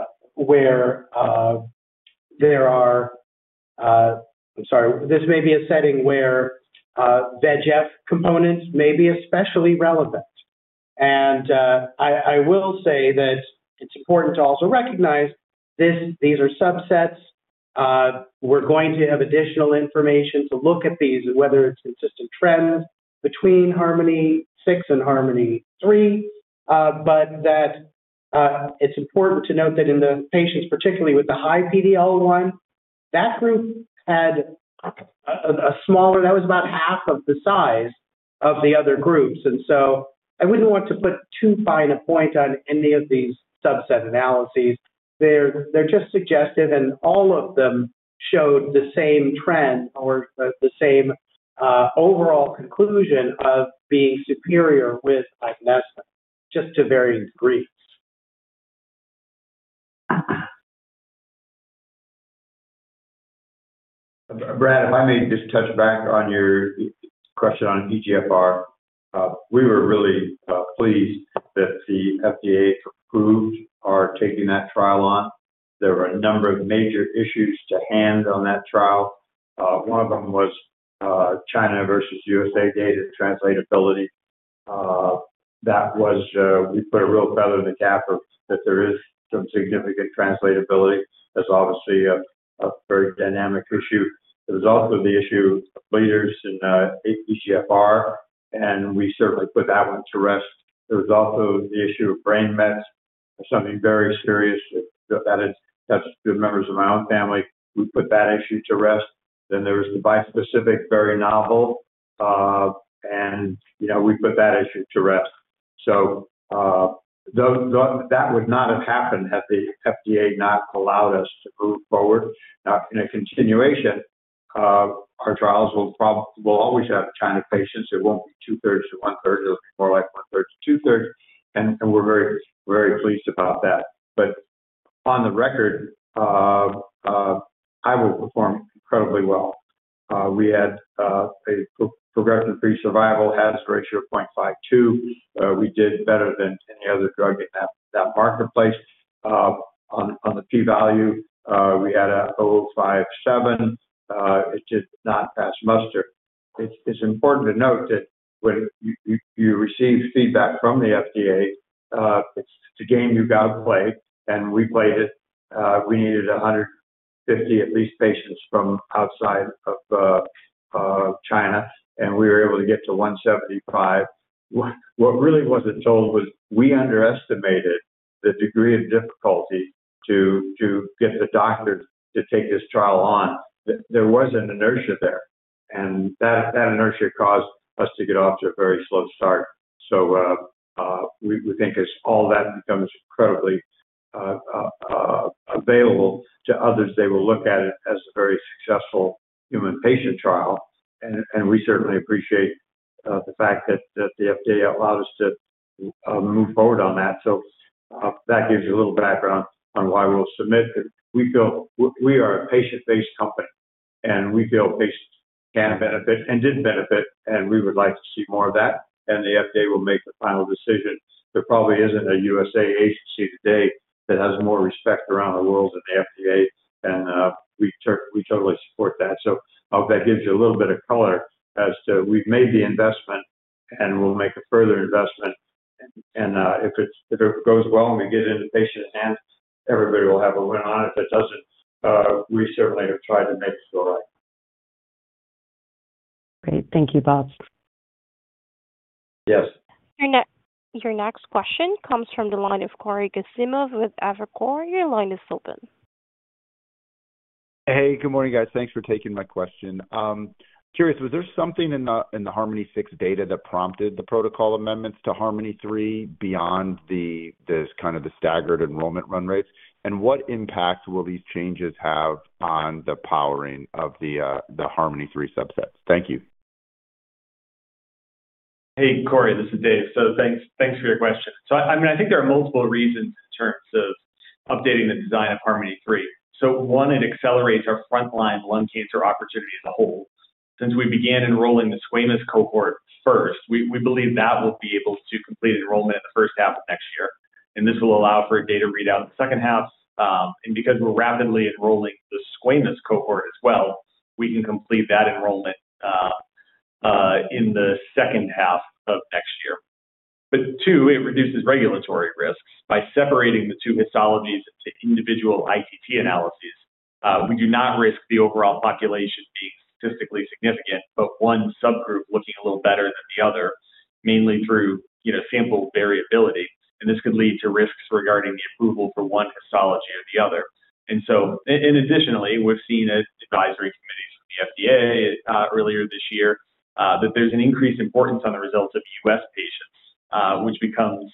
components may be especially relevant. I will say that it's important to also recognize these are subsets. We're going to have additional information to look at these and whether it's consistent trends between HARMONi-6 and HARMONi-3, but it's important to note that in the patients, particularly with the high PD-L1, that group had a smaller, that was about half of the size of the other groups. I wouldn't want to put too fine a point on any of these subset analyses. They're just suggestive, and all of them showed the same trend or the same overall conclusion of being superior with ivonescimab, just to varying degrees. Brad, if I may just touch back on your question on EGFR, we were really pleased that the FDA approved our taking that trial on. There were a number of major issues to handle on that trial. One of them was China versus USA data translatability. We put a real feather in the cap that there is some significant translatability. That is obviously a very dynamic issue. There was also the issue of bleeders in EGFR, and we certainly put that one to rest. There was also the issue of brain mets, something very serious that touched the members of my own family. We put that issue to rest. There was the bispecific, very novel, and you know we put that issue to rest. That would not have happened had the FDA not allowed us to move forward. In a continuation, our trials will probably always have China patients. It will not be 2/3 to 1/3. It will be more like 1/3 to 2/3. We are very, very pleased about that. On the record, Ivo performed incredibly well. We had a progression-free survival hazard ratio of 0.52. We did better than any other drug in that marketplace. On the P-value, we had a 0.057. It did not pass muster. It is important to note that when you receive feedback from the FDA, it is the game you got to play. We played it. We needed 150 at least patients from outside of China, and we were able to get to 175. What really was not told was we underestimated the degree of difficulty to get the doctors to take this trial on. There was an inertia there. That inertia caused us to get off to a very slow start. We think as all that becomes incredibly available to others, they will look at it as a very successful human patient trial. We certainly appreciate the fact that the FDA allowed us to move forward on that. That gives you a little background on why we will submit. We feel we are a patient-based company, and we feel patients can benefit and did benefit, and we would like to see more of that. The FDA will make the final decision. There probably is not a USA agency today that has more respect around the world than the FDA, and we totally support that. I hope that gives you a little bit of color as to we have made the investment, and we will make a further investment. If it goes well and we get it in the patient's hands, everybody will have a win on it. If it does not, we certainly have tried to make it go right. Great. Thank you, Bob. Yes. Your next question comes from the line of Cory Kazimov with Evercore. Your line is open. Hey, good morning, guys. Thanks for taking my question. I'm curious, was there something in the HARMONi-6 data that prompted the protocol amendments to HARMONi-3 beyond the kind of the staggered enrollment run rates? What impact will these changes have on the powering of the HARMONi-3 subsets? Thank you. Hey, Cory. This is Dave. Thanks for your question. I think there are multiple reasons in terms of updating the design of HARMONi-3. One, it accelerates our front-line lung cancer opportunity as a whole. Since we began enrolling the squamous cohort first, we believe that we'll be able to complete enrollment in the first half of next year. This will allow for a data read-out in the second half. Because we're rapidly enrolling the squamous cohort as well, we can complete that enrollment in the second half of next year. Two, it reduces regulatory risks. By separating the two histologies into individual ITT analyses, we do not risk the overall population being statistically significant, but one subgroup looking a little better than the other, mainly through sample variability. This could lead to risks regarding the approval for one histology or the other. Additionally, we've seen advisory committees from the FDA earlier this year that there's an increased importance on the results of U.S. patients, which becomes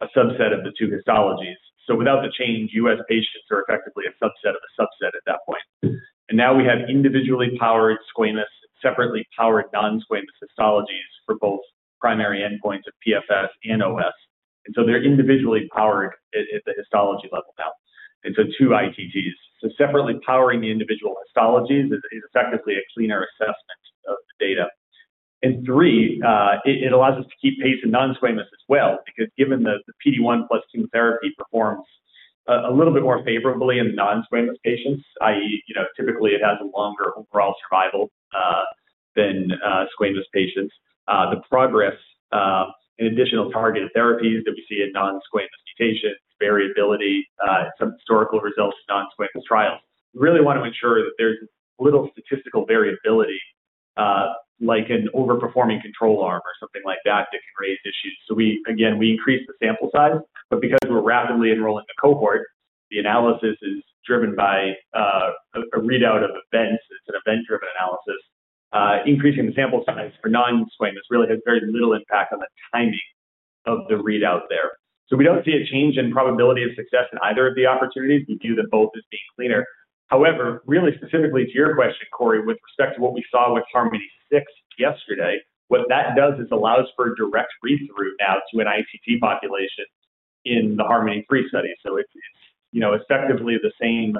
a subset of the two histologies. Without the change, U.S. patients are effectively a subset of a subset at that point. Now we have individually powered squamous and separately powered non-squamous histologies for both primary endpoints of PFS and OS. They're individually powered at the histology level now. Two ITTs. Separately powering the individual histologies is effectively a cleaner assessment of the data. Three, it allows us to keep pace in non-squamous as well because given the PD-1 plus chemotherapy performs a little bit more favorably in non-squamous patients, i.e., you know, typically it has a longer overall survival than squamous patients. The progress and additional targeted therapies that we see in non-squamous mutations, variability, some historical results in non-squamous trials, we really want to ensure that there's little statistical variability, like an overperforming control arm or something like that that can raise issues. We increase the sample size. Because we're rapidly enrolling the cohort, the analysis is driven by a read-out of events. It's an event-driven analysis. Increasing the sample size for non-squamous really has very little impact on the timing of the read-out there. We don't see a change in probability of success in either of the opportunities. We view them both as being cleaner. However, really specifically to your question, Cory, with respect to what we saw with HARMONi-6 yesterday, what that does is allows for a direct read-through now to an ITT population in the HARMONi-3 study. It's effectively the same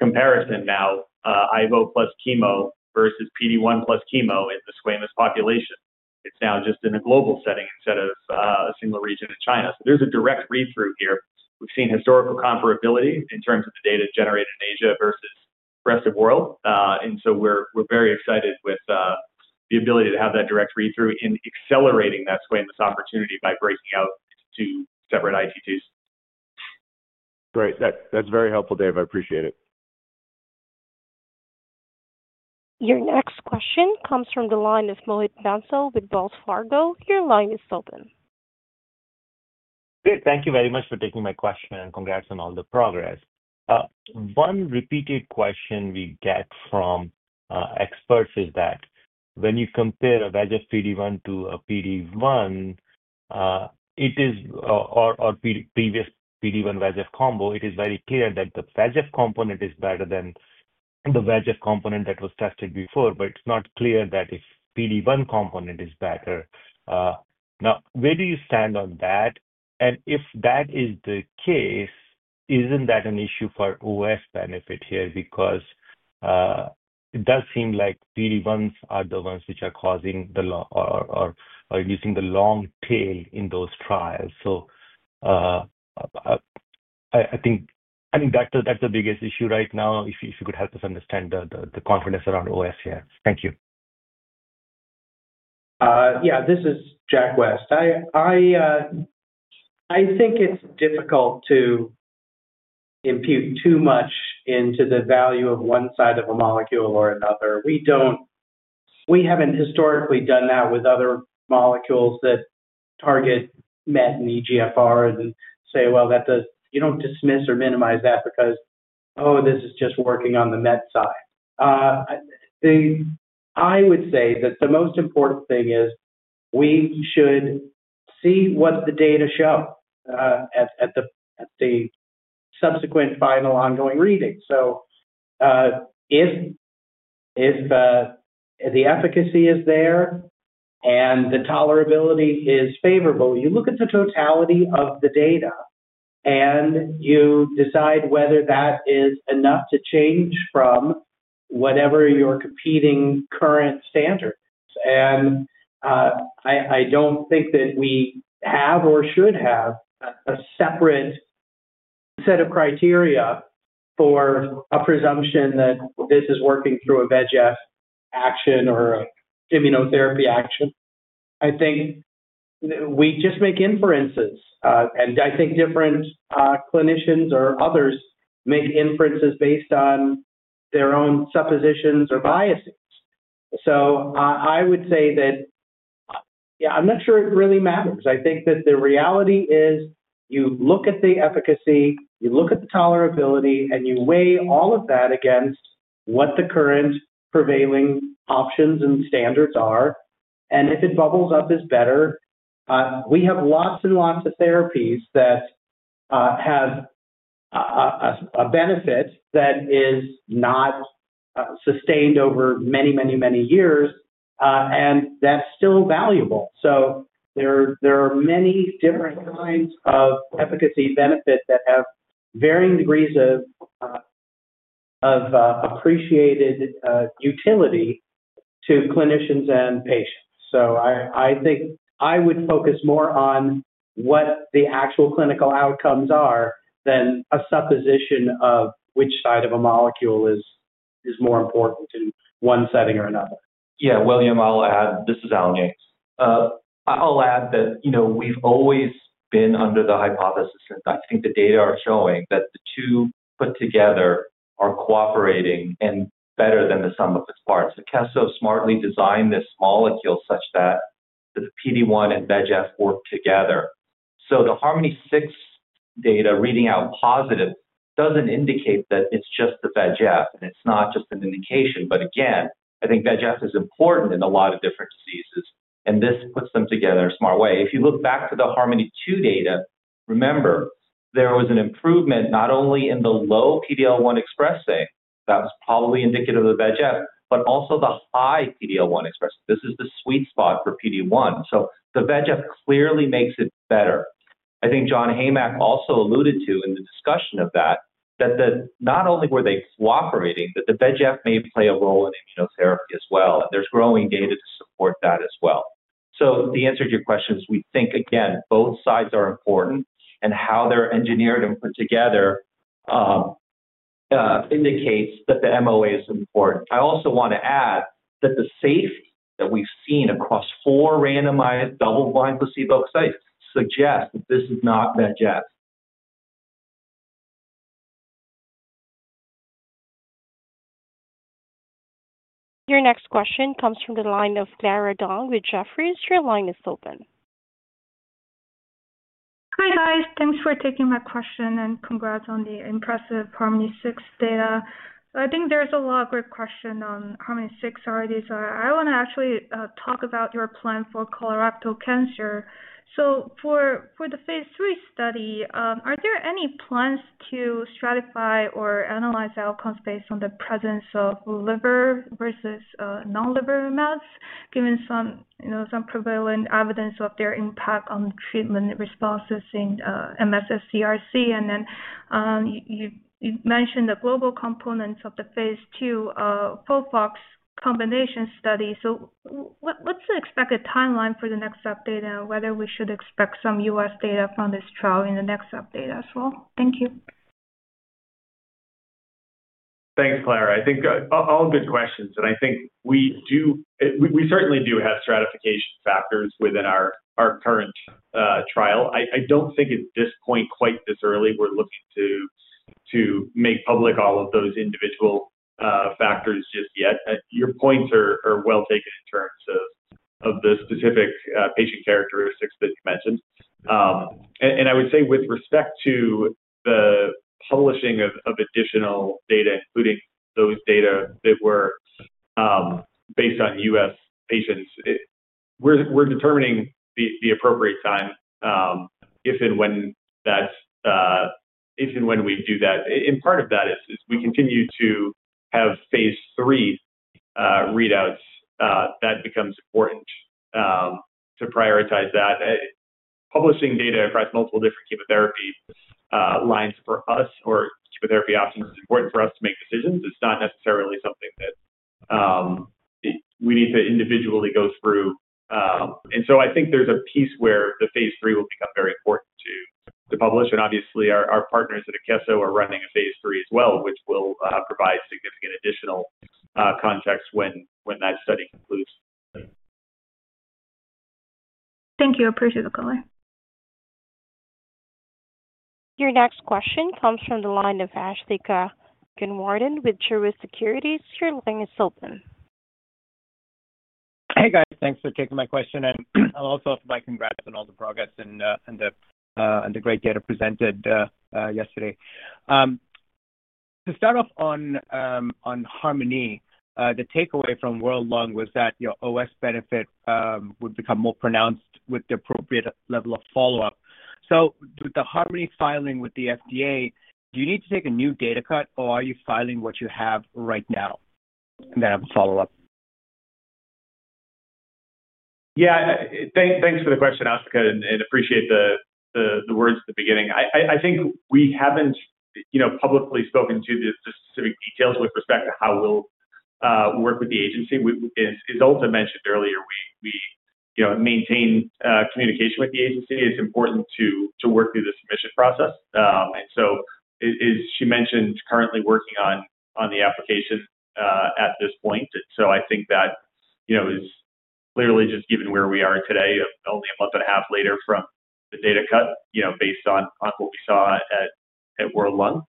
comparison now, ivonescimab plus chemotherapy versus PD-1 plus chemotherapy in the squamous population. It's now just in a global setting instead of a single region in China. There is a direct read-through here. We've seen historical comparability in terms of the data generated in Asia versus the rest of the world. We're very excited with the ability to have that direct read-through in accelerating that squamous opportunity by breaking out into two separate ITTs. Great. That's very helpful, Dave. I appreciate it. Your next question comes from the line of Mohit Bansal with Wells Fargo. Your line is open. Good. Thank you very much for taking my question and congrats on all the progress. One repeated question we get from experts is that when you compare a VEGF PD-1 to a PD-1, it is, or previous PD-1 VEGF combo, it is very clear that the VEGF component is better than the VEGF component that was tested before. It's not clear that if PD-1 component is better. Now, where do you stand on that? If that is the case, isn't that an issue for OS benefit here? It does seem like PD-1s are the ones which are causing the long or reducing the long tail in those trials. I think that's the biggest issue right now, if you could help us understand the confidence around OS here. Thank you. Yeah, this is Jack West. I think it's difficult to impute too much into the value of one side of a molecule or another. We haven't historically done that with other molecules that target MET and EGFR and say, well, you don't dismiss or minimize that because, oh, this is just working on the MET side. I would say that the most important thing is we should see what the data show at the subsequent final ongoing reading. If the efficacy is there and the tolerability is favorable, you look at the totality of the data and you decide whether that is enough to change from whatever your competing current standard is. I don't think that we have or should have a separate set of criteria for a presumption that this is working through a VEGF action or an immunotherapy action. I think we just make inferences. I think different clinicians or others make inferences based on their own suppositions or biases. I would say that, yeah, I'm not sure it really matters. The reality is you look at the efficacy, you look at the tolerability, and you weigh all of that against what the current prevailing options and standards are. If it bubbles up as better, we have lots and lots of therapies that have a benefit that is not sustained over many, many, many years, and that's still valuable. There are many different kinds of efficacy benefits that have varying degrees of appreciated utility to clinicians and patients. I think I would focus more on what the actual clinical outcomes are than a supposition of which side of a molecule is more important in one setting or another. Yeah, while, I'll add, this is Allen Yang. I'll add that we've always been under the hypothesis that I think the data are showing that the two put together are cooperating and better than the sum of its parts. Akeso smartly designed this molecule such that the PD-1 and VEGF work together. The HARMONi-6 data reading out positive doesn't indicate that it's just the VEGF, and it's not just an indication. I think VEGF is important in a lot of different diseases, and this puts them together in a smart way. If you look back to the HARMONi-2 data, remember, there was an improvement not only in the low PD-L1 expressing that was probably indicative of VEGF, but also the high PD-L1 expressing. This is the sweet spot for PD-1. The VEGF clearly makes it better. I think John Heymach also alluded to in the discussion of that that not only were they cooperating, but the VEGF may play a role in immunotherapy as well. There's growing data to support that as well. The answer to your question is we think, again, both sides are important, and how they're engineered and put together indicates that the MOA is important. I also want to add that the safety that we've seen across four randomized double-blind placebo sites suggests that this is not VEGF. Your next question comes from the line of Clara Dong with Jefferies. Your line is open. Hi, guys. Thanks for taking my question and congrats on the impressive HARMONi-6 data. I think there's a lot of great questions on HARMONi-6 already. I want to actually talk about your plan for colorectal cancer. For the phase III study, are there any plans to stratify or analyze outcomes based on the presence of liver versus non-liver mets, given some prevalent evidence of their impact on treatment responses in MSS CRC? You mentioned the global components of the phase II FOLFOX combination study. What's the expected timeline for the next step data and whether we should expect some U.S. data from this trial in the next step data as well? Thank you. Thanks, Clara. I think all good questions. I think we do, we certainly do have stratification factors within our current trial. I don't think at this point quite this early we're looking to make public all of those individual factors just yet. Your points are well taken in terms of the specific patient characteristics that you mentioned. I would say with respect to the publishing of additional data, including those data that were based on U.S. patients, we're determining the appropriate time if and when that's, if and when we do that. Part of that is we continue to have phase III read-outs. That becomes important to prioritize that. Publishing data across multiple different chemotherapy lines for us or chemotherapy options is important for us to make decisions. It's not necessarily something that we need to individually go through. I think there's a piece where the phase III will become very important to publish. Obviously, our partners at Akeso are running a phase III as well, which will provide significant additional context when that study concludes. Thank you. I appreciate the caller. Your next question comes from the line of Asthika Goonewardene with Truist Securities. Your line is open. Hey, guys. Thanks for taking my question. I'll also offer my congrats on all the progress and the great data presented yesterday. To start off on HARMONi, the takeaway from World Lung was that your OS benefit would become more pronounced with the appropriate level of follow-up. With the HARMONi filing with the FDA, do you need to take a new data cut, or are you filing what you have right now? I have a follow-up. Yeah, thanks for the question, Ashtika, and appreciate the words at the beginning. I think we haven't publicly spoken to the specific details with respect to how we'll work with the agency. As Urte mentioned earlier, we maintain communication with the agency. It's important to work through this information process. She mentioned currently working on the application at this point. I think that is clearly, just given where we are today, only a month and a half later from the data cut, based on what we saw at World Lung.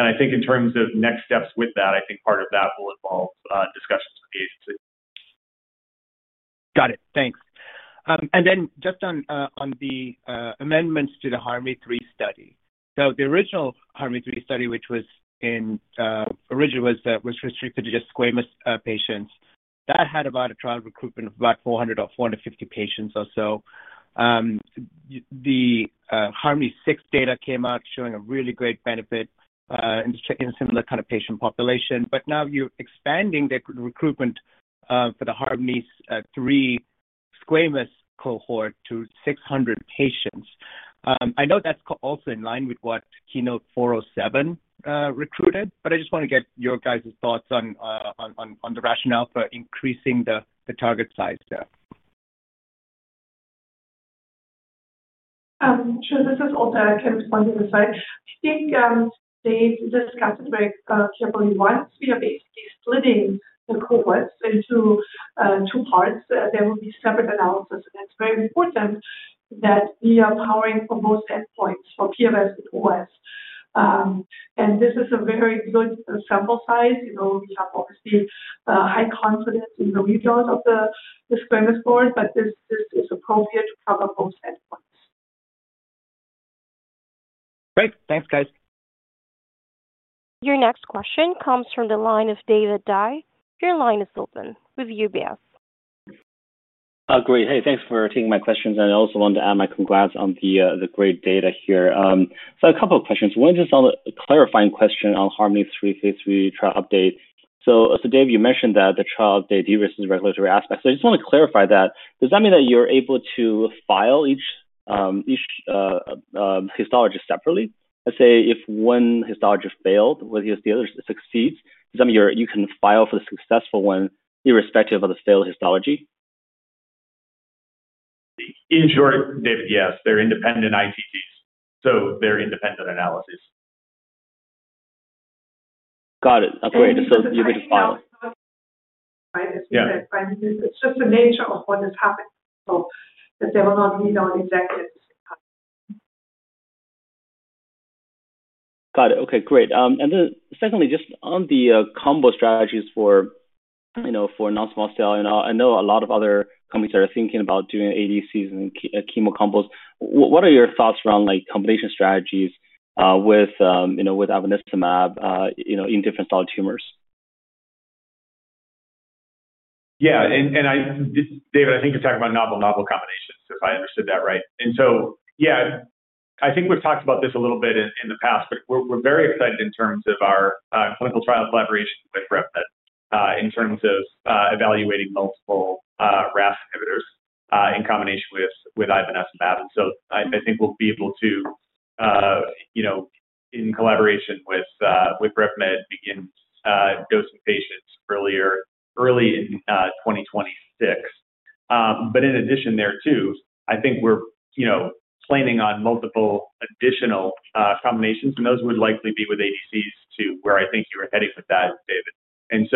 I think in terms of next steps with that, part of that will involve discussions with the agency. Got it. Thanks. On the amendments to the HARMONi-3 study, the original HARMONi-3 study, which was originally restricted to just squamous patients, had about a trial recruitment of about 400 or 450 patients or so. The HARMONi-6 data came out showing a really great benefit in checking a similar kind of patient population. Now you're expanding the recruitment for the HARMONi-3 squamous cohort to 600 patients. I know that's also in line with what KEYNOTE-407 recruited. I just wanna get your guys' thoughts on the rationale for increasing the target size there. Sure. This is Urte. I can respond to the site. I think they discussed it very carefully once. We are basically splitting the cohorts into two parts. There will be separate analysis, and it's very important that we are powering for most endpoints for PFS and OS. This is a very good sample size. You know, we have obviously high confidence in the regions of the squamous cohort. This is appropriate to cover both endpoints. Great. Thanks, guys. Your next question comes from the line of David Dai. Your line is open with UBS. Great. Hey, thanks for taking my questions. I also wanted to add my congrats on the great data here. I have a couple of questions. One is just a clarifying question on the HARMONi-3 phase III trial update. Dave, you mentioned that the trial update de-risked the regulatory aspects. I just want to clarify that. Does that mean that you're able to file each histology separately? Let's say if one histology failed with yours, the other succeeds, does that mean you can file for the successful one irrespective of the failed histology? In short, David, yes. They're independent ITTs. They're independent analyses. Got it. That's great. You could just file. I understand that. Yeah. It's just the nature of what is happening, so they will not read out exactly at the same time. Got it. Okay. Great. Secondly, just on the combo strategies for, you know, for non-small cell. I know a lot of other companies that are thinking about doing ADCs and chemo combos. What are your thoughts around, like, combination strategies, with, you know, with ivonescimab, you know, in different solid tumors? Yeah. I think you're talking about novel, novel combinations if I understood that right. I think we've talked about this a little bit in the past. We're very excited in terms of our clinical trial collaboration with RevMed, in terms of evaluating multiple RAS inhibitors in combination with avinastinumab. I think we'll be able to, you know, in collaboration with RevMed, begin dosing patients early in 2026. In addition, I think we're planning on multiple additional combinations. Those would likely be with ADCs too, where I think you were heading with that, David.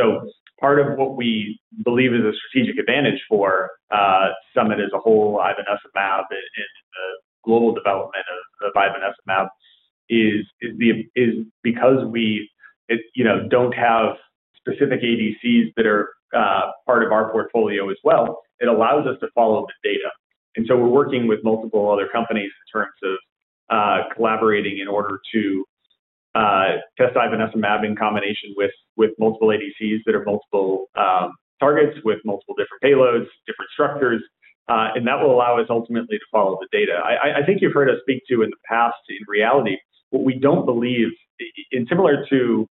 Part of what we believe is a strategic advantage for Summit as a whole, avinastinumab, and the global development of avinastinumab, is because we don't have specific ADCs that are part of our portfolio as well, it allows us to follow the data. We're working with multiple other companies in terms of collaborating in order to test avinastinumab in combination with multiple ADCs that are multiple targets with multiple different payloads, different structures. That will allow us ultimately to follow the data. I think you've heard us speak to in the past. In reality, what we don't believe in, similar to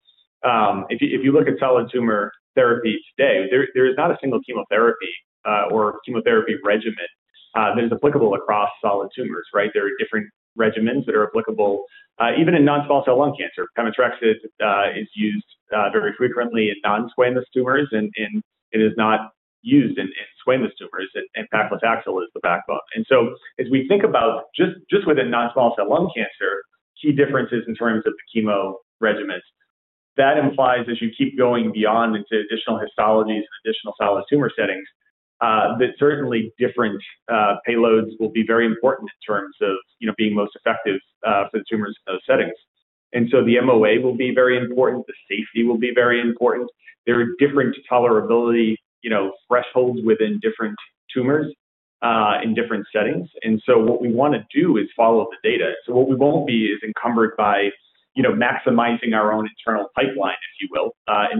if you look at solid tumor therapy today, there is not a single chemotherapy or chemotherapy regimen that is applicable across solid tumors, right? There are different regimens that are applicable, even in non-small cell lung cancer. Pemetrexed is used very frequently in non-squamous tumors, and it is not used in squamous tumors. Paclitaxel is the backbone. As we think about just within non-small cell lung cancer, key differences in terms of the chemo regimens. That implies as you keep going beyond into additional histologies and additional solid tumor settings, that certainly different payloads will be very important in terms of being most effective for the tumors in those settings. The MOA will be very important. The safety will be very important. There are different tolerability thresholds within different tumors in different settings. What we want to do is follow the data. What we won't be is encumbered by maximizing our own internal pipeline, if you will.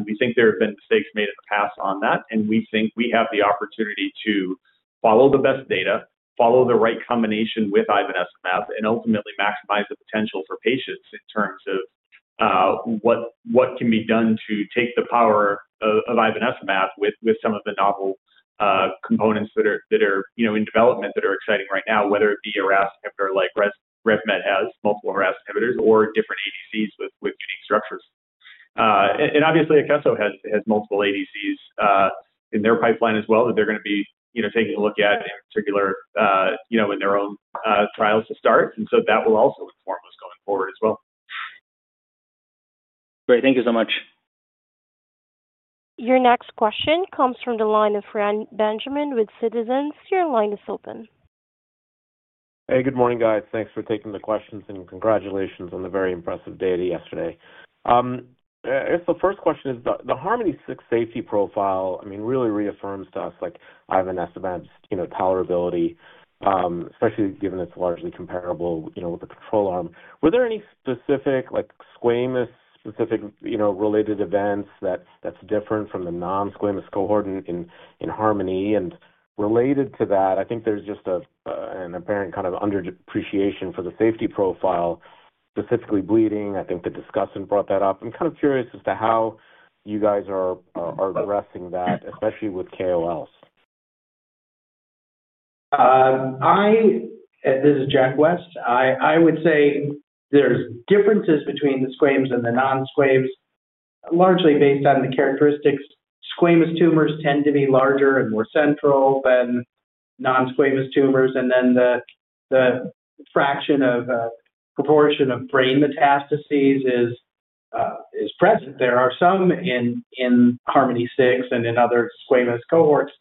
We think there have been mistakes made in the past on that. We think we have the opportunity to follow the best data, follow the right combination with ivonescimab, and ultimately maximize the potential for patients in terms of what can be done to take the power of ivonescimab with some of the novel components that are in development that are exciting right now, whether it be a RAS inhibitor like RevMed has multiple RAS inhibitors or different ADCs with unique structures. Obviously, Akeso has multiple ADCs in their pipeline as well that they are going to be taking a look at, in particular in their own trials to start. That will also inform us going forward as well. Great. Thank you so much. Your next question comes from the line of Reni Benjamin with Citizens. Your line is open. Hey. Good morning, guys. Thanks for taking the questions. Congratulations on the very impressive data yesterday. I guess the first question is the HARMONi-6 safety profile really reaffirms to us, like, ivonescimab's, you know, tolerability, especially given it's largely comparable, you know, with the control arm. Were there any specific, like, squamous specific, you know, related events that's different from the non-squamous cohort in HARMONi? Related to that, I think there's just an apparent kind of underappreciation for the safety profile, specifically bleeding. I think the discussant brought that up. I'm kind of curious as to how you guys are addressing that, especially with KOLs. This is Jack West. I would say there's differences between the squames and the non-squames, largely based on the characteristics. Squamous tumors tend to be larger and more central than non-squamous tumors. The fraction of, proportion of brain metastases is present. There are some in HARMONi-6 and in other squamous cohorts.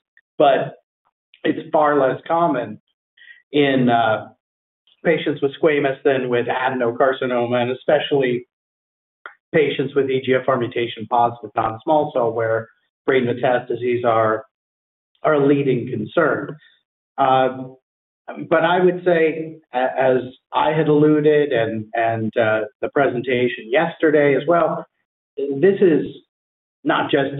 It's far less common in patients with squamous than with adenocarcinoma, and especially patients with EGFR mutation positive non-small cell where brain metastases are a leading concern. I would say, as I had alluded and the presentation yesterday as well, this is not just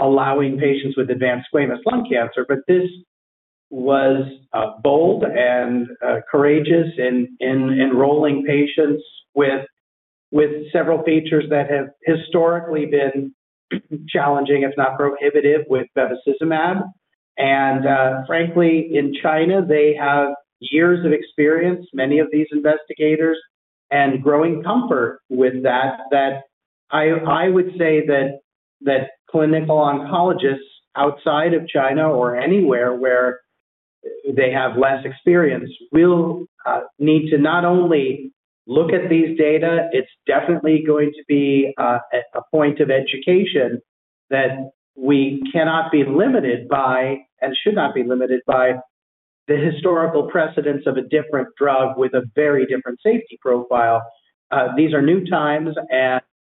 allowing patients with advanced squamous lung cancer, but this was bold and courageous in enrolling patients with several features that have historically been challenging, if not prohibitive, with bevacizumab. Frankly, in China, they have years of experience, many of these investigators, and growing comfort with that. I would say that clinical oncologists outside of China or anywhere where they have less experience will need to not only look at these data. It's definitely going to be a point of education that we cannot be limited by and should not be limited by the historical precedence of a different drug with a very different safety profile. These are new times.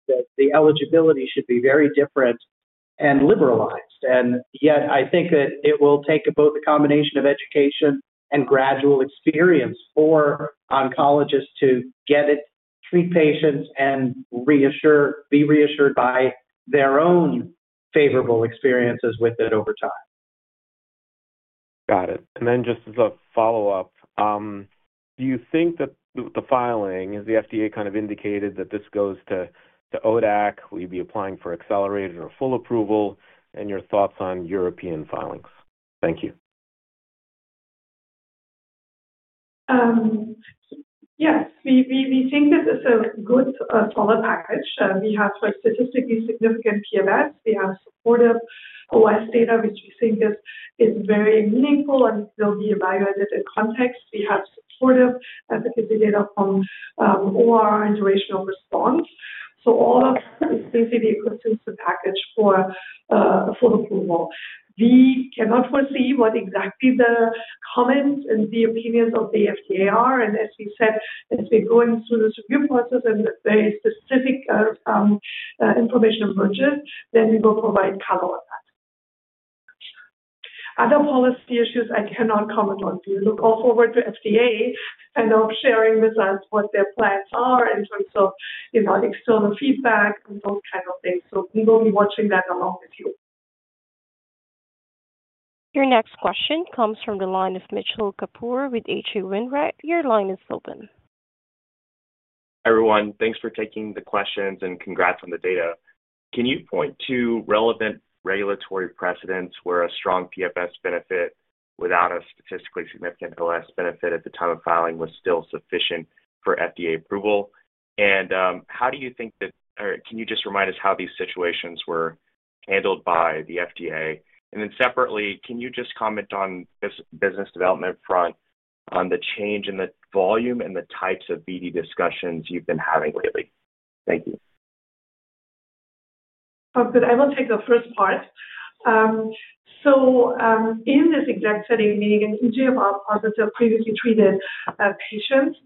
The eligibility should be very different and liberalized. Yet, I think that it will take both the combination of education and gradual experience for oncologists to get it, treat patients, and be reassured by their own favorable experiences with it over time. Got it. Just as a follow-up, do you think that the filing is the FDA kind of indicated that this goes to ODAC? Will you be applying for accelerated or full approval? Your thoughts on European filings? Thank you. Yes. We think this is a good, solid package. We have a statistically significant PFS. We have supportive OS data, which we think is very meaningful and will be evaluated in context. We have supportive efficacy data from OR and duration of response. All of this is basically a good, suitable package for full approval. We cannot foresee what exactly the comments and the opinions of the FDA are. As we said, as we go into this review process, if specific information emerges, then we will provide color on that. Other policy issues I cannot comment on. We look forward to the FDA sharing with us what their plans are in terms of external feedback and those kinds of things. We will be watching that along with you. Your next question comes from the line of Mitchell Kapoor with H.C. Wainwright. Your line is open. Hi, everyone. Thanks for taking the questions and congrats on the data. Can you point to relevant regulatory precedence where a strong PFS benefit without a statistically significant OS benefit at the time of filing was still sufficient for FDA approval? How do you think that or can you just remind us how these situations were handled by the FDA? Separately, can you just comment on this business development front on the change in the volume and the types of BD discussions you've been having lately? Thank you. Sounds good. I will take the first part. In this exact setting, meaning in EGFR positive previously treated patients,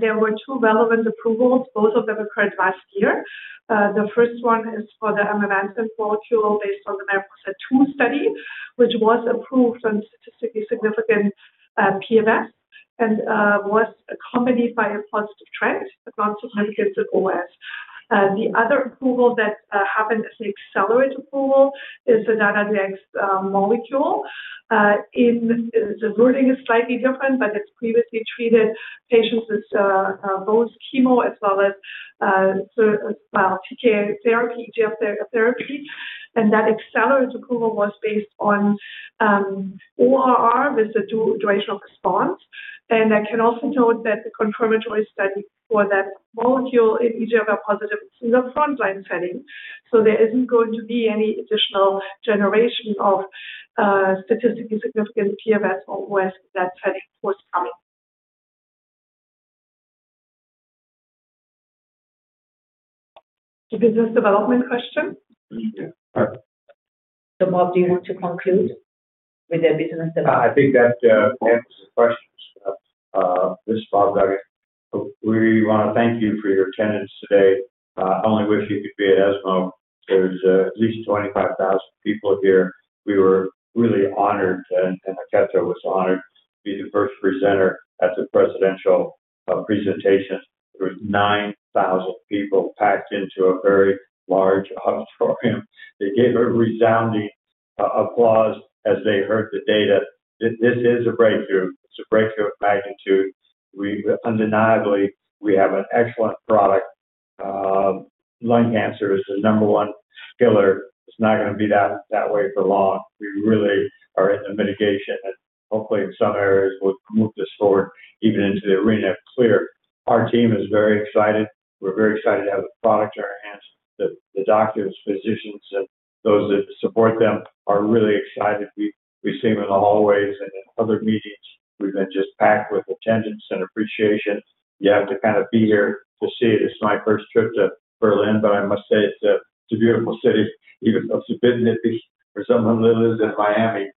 there were two relevant approvals. Both of them occurred last year. The first one is for the amivantamab molecule based on the MARIPOSA-2 study, which was approved on statistically significant PFS and was accompanied by a positive trend, but not significant in OS. The other approval that happened as an accelerated approval is the Dato-DXd molecule. In the wording, it is slightly different, but it's previously treated patients with both chemo as well as PK therapy, EGF therapy. That accelerated approval was based on ORR with the durational response. I can also note that the confirmatory study for that molecule in EGFR positive is in the frontline setting. There isn't going to be any additional generation of statistically significant PFS or OS in that setting forthcoming. Business development question? Bob, do you want to conclude with the business development? I think that answers the questions. Bob Duggan, we want to thank you for your attendance today. I only wish you could be at ESMO. There are at least 25,000 people here. We were really honored, and Akeso was honored to be the first presenter at the presidential presentation. There were 9,000 people packed into a very large auditorium. They gave a resounding applause as they heard the data. This is a breakthrough. It's a breakthrough of magnitude. Undeniably, we have an excellent product. Lung cancer is the number one killer. It's not going to be that way for long. We really are in the mitigation, and hopefully, in some areas, we'll move this forward even into the arena of clear. Our team is very excited. We're very excited to have the product in our hands. The doctors, physicians, and those that support them are really excited. We see them in the hallways and in other meetings. We've been just packed with attendance and appreciation. You have to kind of be here to see it. It's my first trip to Berlin, but I must say it's a beautiful city, even though it's a bit nippy for someone that lives in Miami.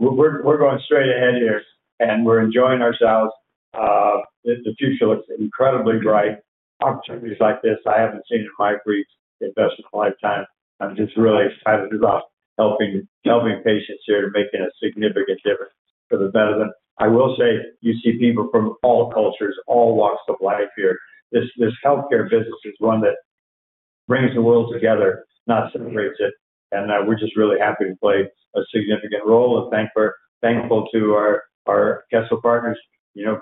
We're going straight ahead here, and we're enjoying ourselves. The future looks incredibly bright. Opportunities like this, I haven't seen in my brief investment lifetime. I'm just really excited about helping patients here and making a significant difference for the betterment. I will say you see people from all cultures, all walks of life here. This healthcare business is one that brings the world together, not separates it. We're just really happy to play a significant role and thankful to our Akeso partners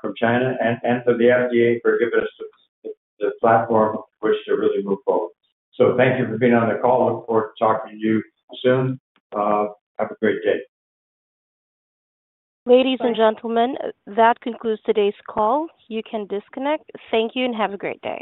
from China and to the FDA for giving us the platform in which to really move forward. Thank you for being on the call. Looking forward to talking to you soon. Have a great day. Ladies and gentlemen, that concludes today's call. You can disconnect. Thank you and have a great day.